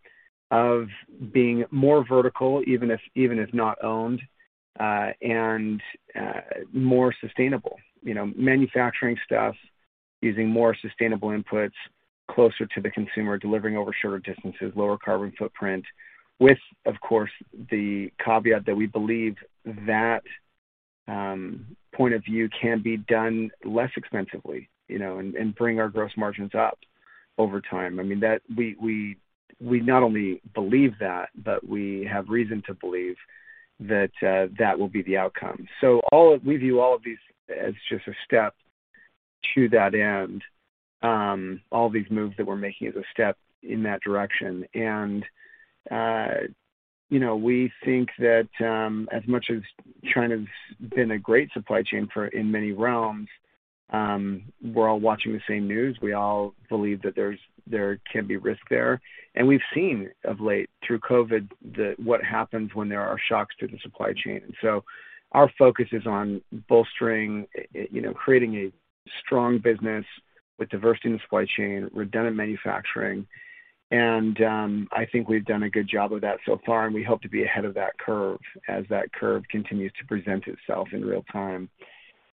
of being more vertical, even if, even if not owned, and more sustainable. You know, manufacturing stuff using more sustainable inputs closer to the consumer, delivering over shorter distances, lower carbon footprint, with, of course, the caveat that we believe that point of view can be done less expensively, you know, and bring our gross margins up over time. I mean, that we, we not only believe that, but we have reason to believe that that will be the outcome. All of... We view all of these as just a step to that end. All these moves that we're making as a step in that direction. You know, we think that, as much as China's been a great supply chain for... in many realms, we're all watching the same news. We all believe that there's, there can be risk there. We've seen of late through COVID the... what happens when there are shocks to the supply chain. Our focus is on bolstering, you know, creating a strong business with diversity in the supply chain, redundant manufacturing. I think we've done a good job of that so far, and we hope to be ahead of that curve as that curve continues to present itself in real time.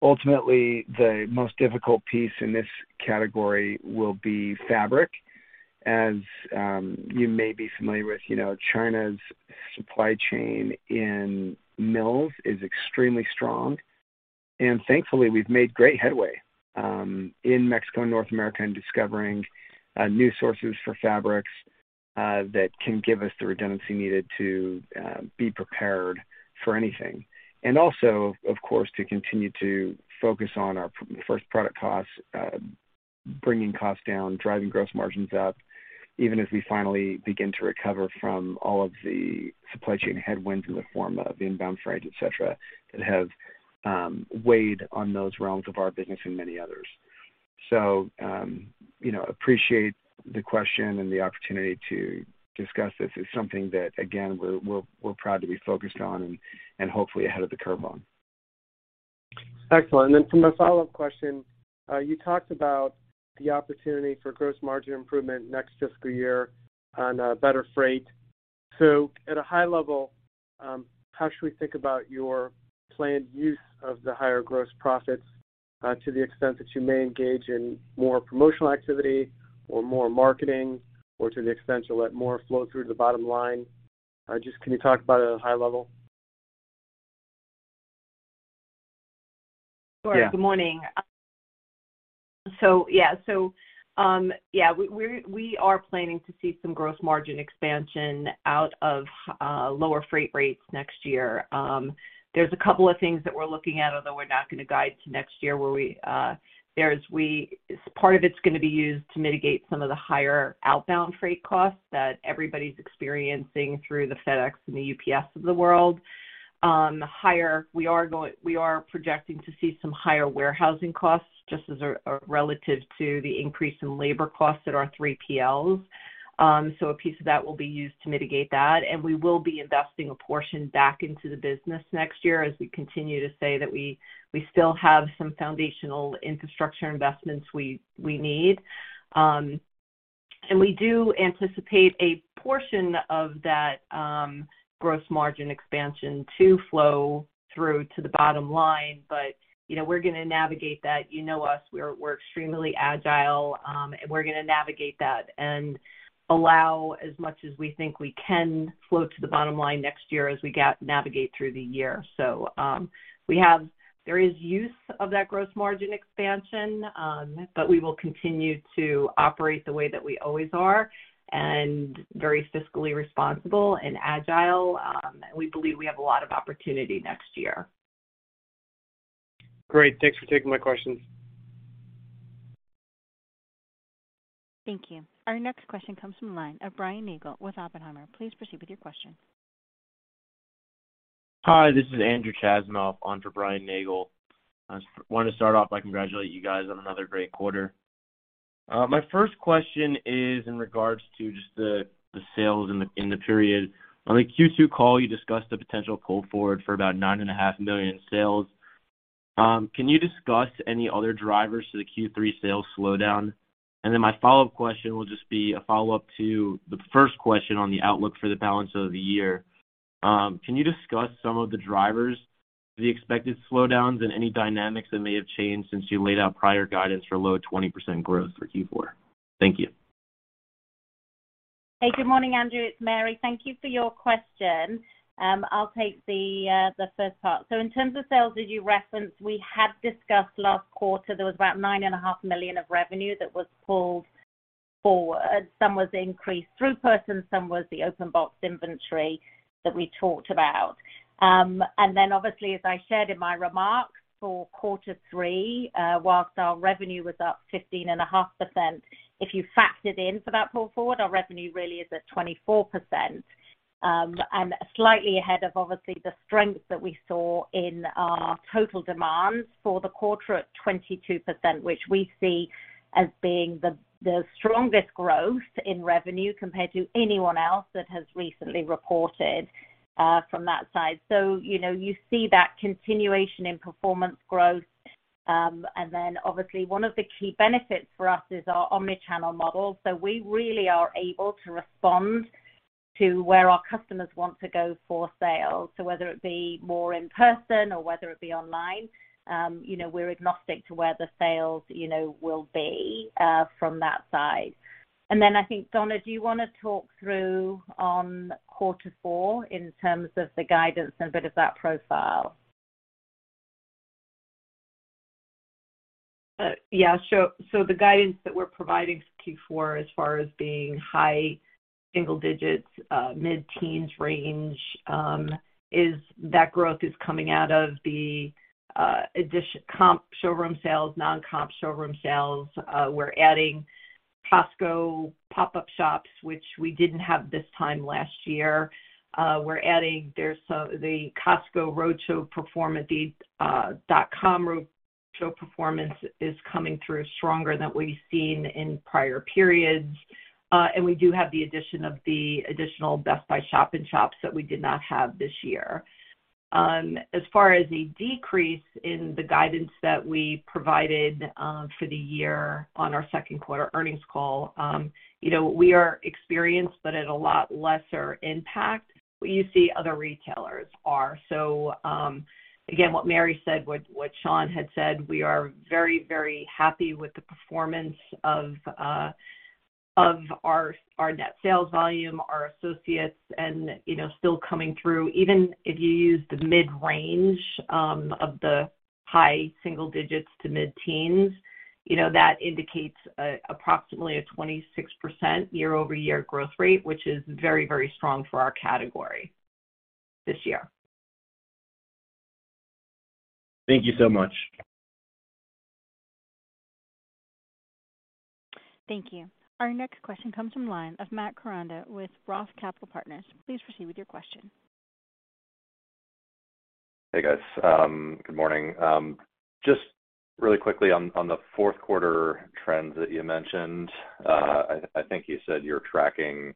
Ultimately, the most difficult piece in this category will be fabric. As you may be familiar with, you know, China's supply chain in mills is extremely strong. Thankfully, we've made great headway in Mexico and North America in discovering new sources for fabrics that can give us the redundancy needed to be prepared for anything. Also, of course, to continue to focus on our first product costs, bringing costs down, driving gross margins up, even as we finally begin to recover from all of the supply chain headwinds in the form of inbound freight, etc, that have weighed on those realms of our business and many others. You know, appreciate the question and the opportunity to discuss this. It's something that, again, we're proud to be focused on and hopefully ahead of the curve on. Excellent. For my follow-up question, you talked about the opportunity for gross margin improvement next fiscal year on better freight. At a high level, how should we think about your planned use of the higher gross profits, to the extent that you may engage in more promotional activity or more marketing or to the extent you'll let more flow through to the bottom line? Just can you talk about it at a high level? Sure. Good morning. Yeah, we are planning to see some gross margin expansion out of lower freight rates next year. There's a couple of things that we're looking at, although we're not gonna guide to next year, where Part of it's gonna be used to mitigate some of the higher outbound freight costs that everybody's experiencing through the FedEx and the UPS of the world. We are projecting to see some higher warehousing costs just as a relative to the increase in labor costs at our 3PLs. A piece of that will be used to mitigate that, and we will be investing a portion back into the business next year as we continue to say that we still have some foundational infrastructure investments we need. We do anticipate a portion of that, gross margin expansion to flow through to the bottom line. You know, we're gonna navigate that. You know us. We're extremely agile, and we're gonna navigate that and allow as much as we think we can flow to the bottom line next year as we navigate through the year. There is use of that gross margin expansion. We will continue to operate the way that we always are and very fiscally responsible and agile. We believe we have a lot of opportunity next year. Great. Thanks for taking my questions. Thank you. Our next question comes from the line of Brian Nagel with Oppenheimer. Please proceed with your question. Hi, this is Andrew Chasenoff on for Brian Nagel. I just want to start off by congratulate you guys on another great quarter. My first question is in regards to just the sales in the period. On the Q2 call, you discussed a potential pull forward for about $9.5 million sales. Can you discuss any other drivers to the Q3 sales slowdown? My follow-up question will just be a follow-up to the first question on the outlook for the balance of the year. Can you discuss some of the drivers for the expected slowdowns and any dynamics that may have changed since you laid out prior guidance for low 20% growth for Q4? Thank you. Hey, good morning, Andrew. It's Mary. Thank you for your question. I'll take the first part. In terms of sales that you referenced, we had discussed last quarter, there was about nine and a half million of revenue that was pulled forward. Some was increased through person, some was the open box inventory that we talked about. Obviously, as I shared in my remarks for quarter 3, whilst our revenue was up fifteen and a half %, if you factored in for that pull forward, our revenue really is at 24%, and slightly ahead of obviously the strength that we saw in our total demands for the quarter at 22%, which we see as being the strongest growth in revenue compared to anyone else that has recently reported from that side. You know, you see that continuation in performance growth. Obviously one of the key benefits for us is our omni-channel model. We really are able to respond to where our customers want to go for sales. Whether it be more in person or whether it be online, you know, we're agnostic to where the sales, you know, will be from that side. I think, Donna, do you wanna talk through on quarter four in terms of the guidance and a bit of that profile? Yeah. The guidance that we're providing for Q4 as far as being high single digits, mid-teens range, is that growth is coming out of the comp showroom sales, non-comp showroom sales. We're adding Costco pop-up shops, which we didn't have this time last year. We're adding. There's some the Costco roadshow performance the dot-com roadshow performance is coming through stronger than we've seen in prior periods. We do have the addition of the additional Best Buy shop in shops that we did not have this year. As far as a decrease in the guidance that we provided for the year on our second quarter earnings call, you know, we are experienced but at a lot lesser impact than what you see other retailers are. Again, what Mary said, what Shawn had said, we are very happy with the performance of our net sales volume, our associates and, you know, still coming through. Even if you use the mid-range of the high single digits to mid-teens, you know, that indicates approximately a 26% year-over-year growth rate, which is very strong for our category this year. Thank you so much. Thank you. Our next question comes from the line of Matt Koranda with ROTH Capital Partners. Please proceed with your question. Hey, guys. Good morning. Just really quickly on the fourth quarter trends that you mentioned. I think you said you're tracking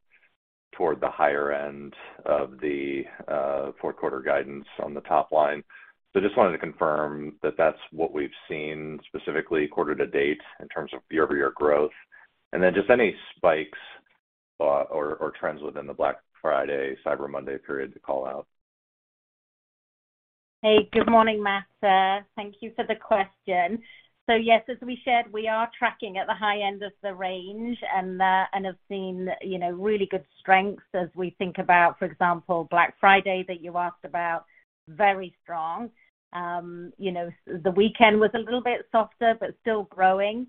toward the higher end of the fourth quarter guidance on the top line. Just wanted to confirm that that's what we've seen, specifically quarter to date in terms of year-over-year growth. Then just any spikes, or trends within the Black Friday, Cyber Monday period to call out. Good morning, Matt. Thank you for the question. Yes, as we shared, we are tracking at the high end of the range and have seen, you know, really good strengths as we think about, for example, Black Friday that you asked about, very strong. You know, the weekend was a little bit softer, but still growing.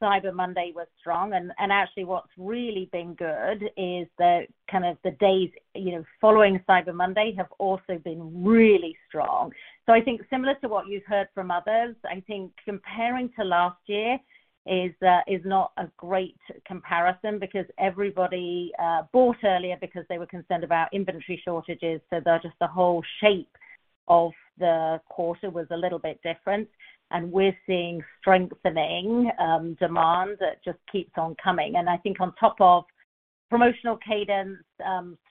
Cyber Monday was strong. Actually what's really been good is that kind of the days, you know, following Cyber Monday have also been really strong. I think similar to what you've heard from others, I think comparing to last year is not a great comparison because everybody bought earlier because they were concerned about inventory shortages. The, just the whole shape of the quarter was a little bit different, and we're seeing strengthening, demand that just keeps on coming. I think on top of promotional cadence,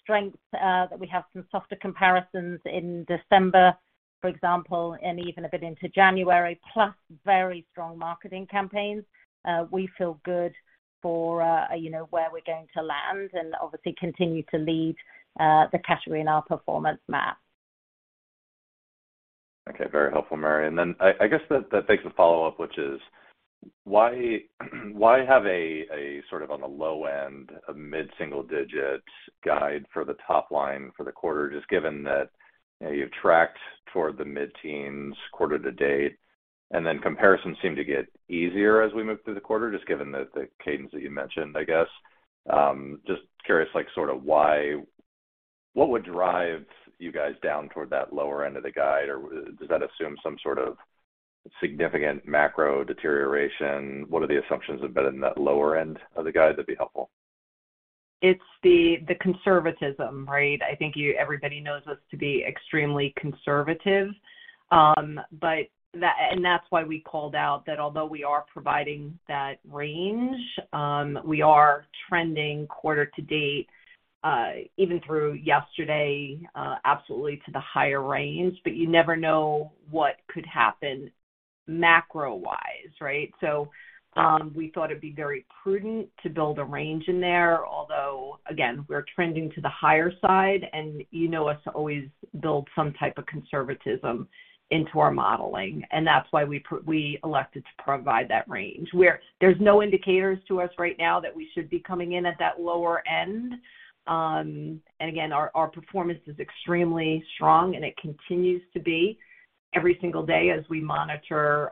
strength, that we have some softer comparisons in December, for example, and even a bit into January, plus very strong marketing campaigns. We feel good for, you know, where we're going to land and obviously continue to lead, the category in our performance map. Okay, very helpful, Mary. I guess that begs the follow-up, which is why have a sort of on the low end a mid-single digit guide for the top line for the quarter, just given that, you know, you've tracked toward the mid-teens quarter to date, and then comparisons seem to get easier as we move through the quarter, just given the cadence that you mentioned, I guess? Just curious, like sort of what would drive you guys down toward that lower end of the guide? Or does that assume some sort of significant macro deterioration? What are the assumptions embedded in that lower end of the guide, that'd be helpful? It's the conservatism, right? I think everybody knows us to be extremely conservative. That's why we called out that although we are providing that range, we are trending quarter to date, even through yesterday, absolutely to the higher range. You never know what could happen macro-wise, right? We thought it'd be very prudent to build a range in there, although again, we're trending to the higher side and you know us to always build some type of conservatism into our modeling, and that's why we elected to provide that range. There's no indicators to us right now that we should be coming in at that lower end. Again, our performance is extremely strong, and it continues to be every single day as we monitor,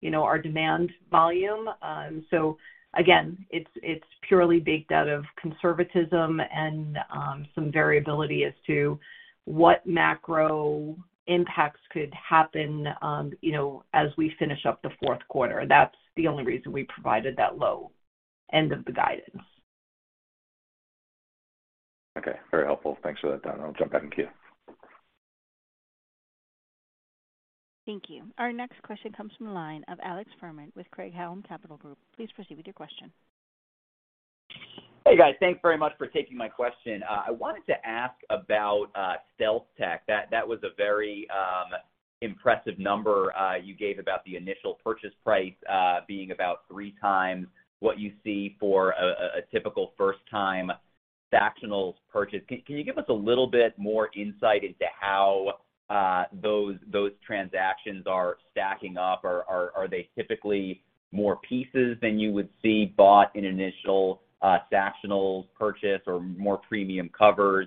you know, our demand volume. Again, it's purely baked out of conservatism and some variability as to what macro impacts could happen, you know, as we finish up the fourth quarter. That's the only reason we provided that low end of the guidance. Okay. Very helpful. Thanks for that. I'll jump back in queue. Thank you. Our next question comes from the line of Alex Fuhrman with Craig-Hallum Capital Group. Please proceed with your question. Hey, guys. Thanks very much for taking my question. I wanted to ask about StealthTech. That was a very impressive number you gave about the initial purchase price being about three times what you see for a typical first-time Sactionals purchase. Can you give us a little bit more insight into how those transactions are stacking up? Are they typically more pieces than you would see bought in initial Sactionals purchase or more premium covers?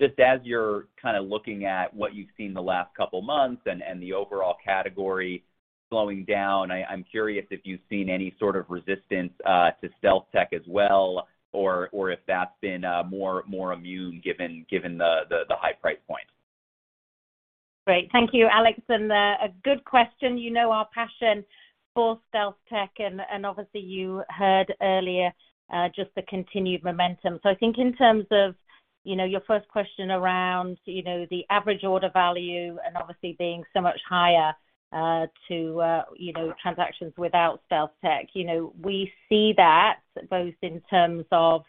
Just as you're kinda looking at what you've seen the last couple of months and the overall category slowing down, I'm curious if you've seen any sort of resistance to StealthTech as well, or if that's been more immune given the high price point. Great. Thank you, Alex. A good question. You know, our passion for StealthTech, and obviously you heard earlier, just the continued momentum. I think in terms of, you know, your first question around, you know, the average order value and obviously being so much higher, to, you know, transactions without StealthTech, you know, we see that both in terms of,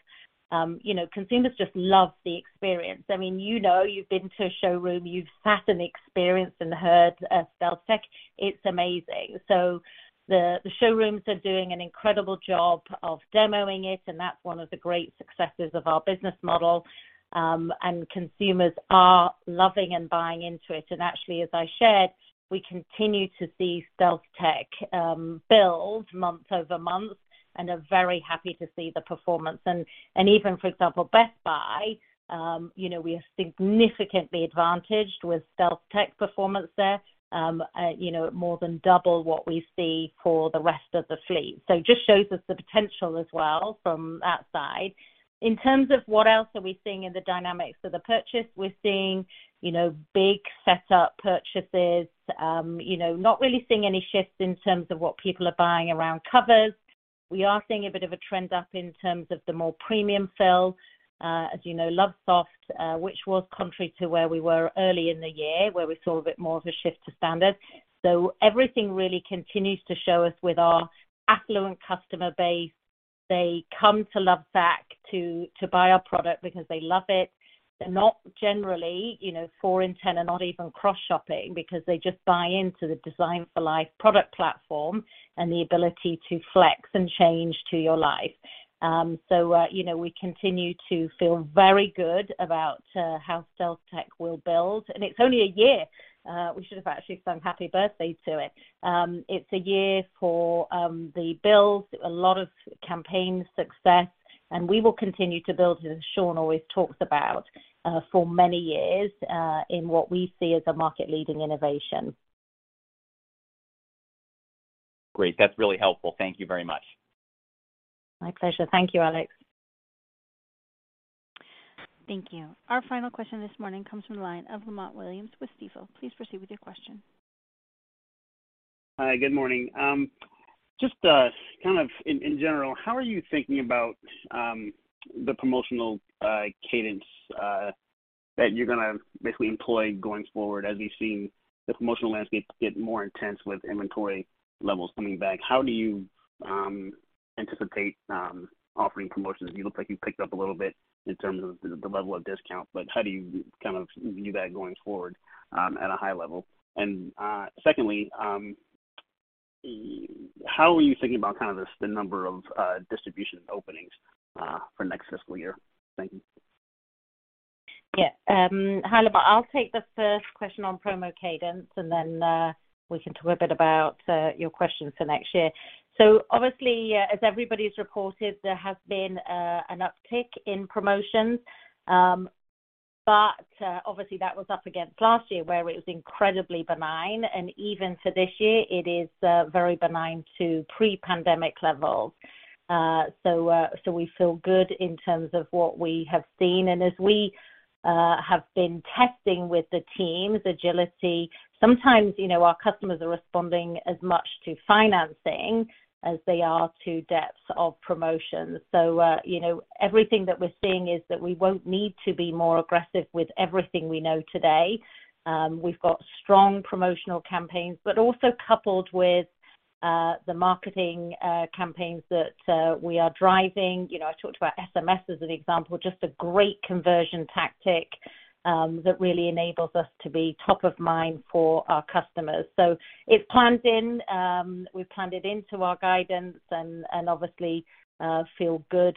you know, consumers just love the experience. I mean, you know, you've been to a showroom, you've sat and experienced and heard StealthTech. It's amazing. The showrooms are doing an incredible job of demoing it, and that's one of the great successes of our business model. And consumers are loving and buying into it. Actually, as I shared, we continue to see StealthTech build month-over-month and are very happy to see the performance. Even, for example, Best Buy, you know, we are significantly advantaged with StealthTech performance there, you know, more than double what we see for the rest of the fleet. It just shows us the potential as well from that side. In terms of what else are we seeing in the dynamics of the purchase, we're seeing, you know, big set up purchases, you know, not really seeing any shifts in terms of what people are buying around covers. We are seeing a bit of a trend up in terms of the more premium fill, as you know, Lovesoft, which was contrary to where we were early in the year, where we saw a bit more of a shift to standard. Everything really continues to show us with our affluent customer base, they come to Lovesac to buy our product because they love it. They're not generally, you know, four in 10 are not even cross-shopping because they just buy into the Designed for Life product platform and the ability to flex and change to your life. You know, we continue to feel very good about how StealthTech will build. It's only a year, we should have actually sung happy birthday to it. It's a year for, the build, a lot of campaign success, and we will continue to build, as Shawn always talks about, for many years, in what we see as a market-leading innovation. Great. That's really helpful. Thank you very much. My pleasure. Thank you, Alex. Thank you. Our final question this morning comes from the line of Lamont Williams with Stifel. Please proceed with your question. Hi, good morning. Just kind of in general, how are you thinking about the promotional cadence? That you're gonna basically employ going forward, as we've seen the promotional landscape get more intense with inventory levels coming back, how do you anticipate offering promotions? You look like you picked up a little bit in terms of the level of discount, but how do you kind of view that going forward at a high level? Secondly, how are you thinking about kind of this, the number of distribution openings for next fiscal year? Thank you. Yeah. Hi, Lamo. I'll take the first question on promo cadence, and then we can talk a bit about your questions for next year. Obviously, as everybody's reported, there has been an uptick in promotions. Obviously that was up against last year where it was incredibly benign, and even for this year it is very benign to pre-pandemic levels. We feel good in terms of what we have seen. As we have been testing with the teams agility, sometimes, you know, our customers are responding as much to financing as they are to depths of promotions. You know, everything that we're seeing is that we won't need to be more aggressive with everything we know today. We've got strong promotional campaigns, but also coupled with the marketing campaigns that we are driving. You know, I talked about SMS as an example, just a great conversion tactic that really enables us to be top of mind for our customers. It's planned in, we've planned it into our guidance and obviously feel good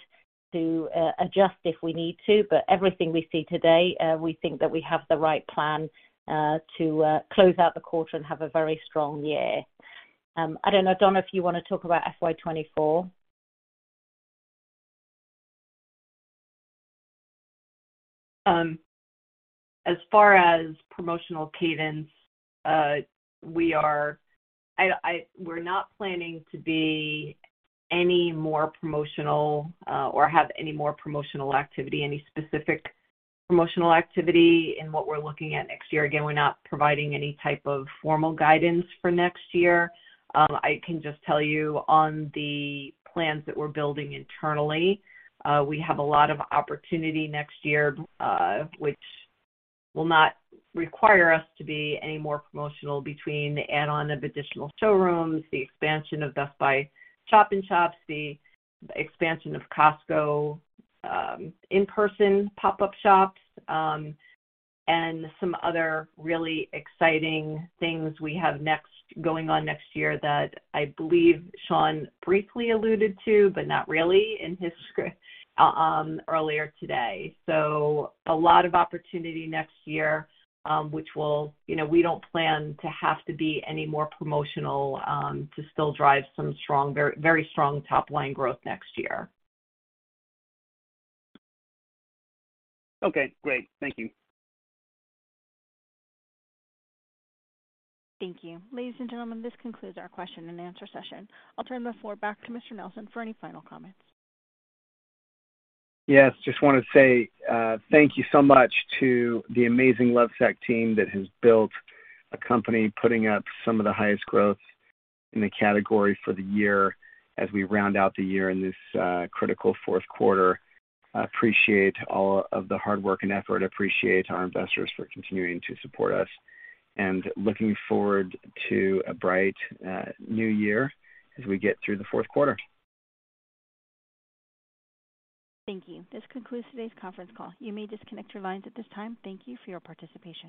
to adjust if we need to. Everything we see today, we think that we have the right plan to close out the quarter and have a very strong year. I don't know, Donna, if you wanna talk about FY 2024. As far as promotional cadence, we're not planning to be any more promotional or have any more promotional activity, any specific promotional activity in what we're looking at next year. We're not providing any type of formal guidance for next year. I can just tell you on the plans that we're building internally, we have a lot of opportunity next year, which will not require us to be any more promotional between the add-on of additional showrooms, the expansion of Best Buy Shop and Shops, the expansion of Costco, in-person pop-up shops, and some other really exciting things we have going on next year that I believe Shawn briefly alluded to, but not really in his script earlier today. A lot of opportunity next year, which will, you know, we don't plan to have to be any more promotional, to still drive some very strong top-line growth next year. Okay, great. Thank you. Thank you. Ladies and gentlemen, this concludes our question and answer session. I'll turn the floor back to Mr. Nelson for any final comments. Yes. Just wanna say, thank you so much to the amazing Lovesac team that has built a company putting up some of the highest growth in the category for the year as we round out the year in this critical fourth quarter. I appreciate all of the hard work and effort. Appreciate our investors for continuing to support us. Looking forward to a bright new year as we get through the fourth quarter. Thank you. This concludes today's conference call. You may disconnect your lines at this time. Thank you for your participation.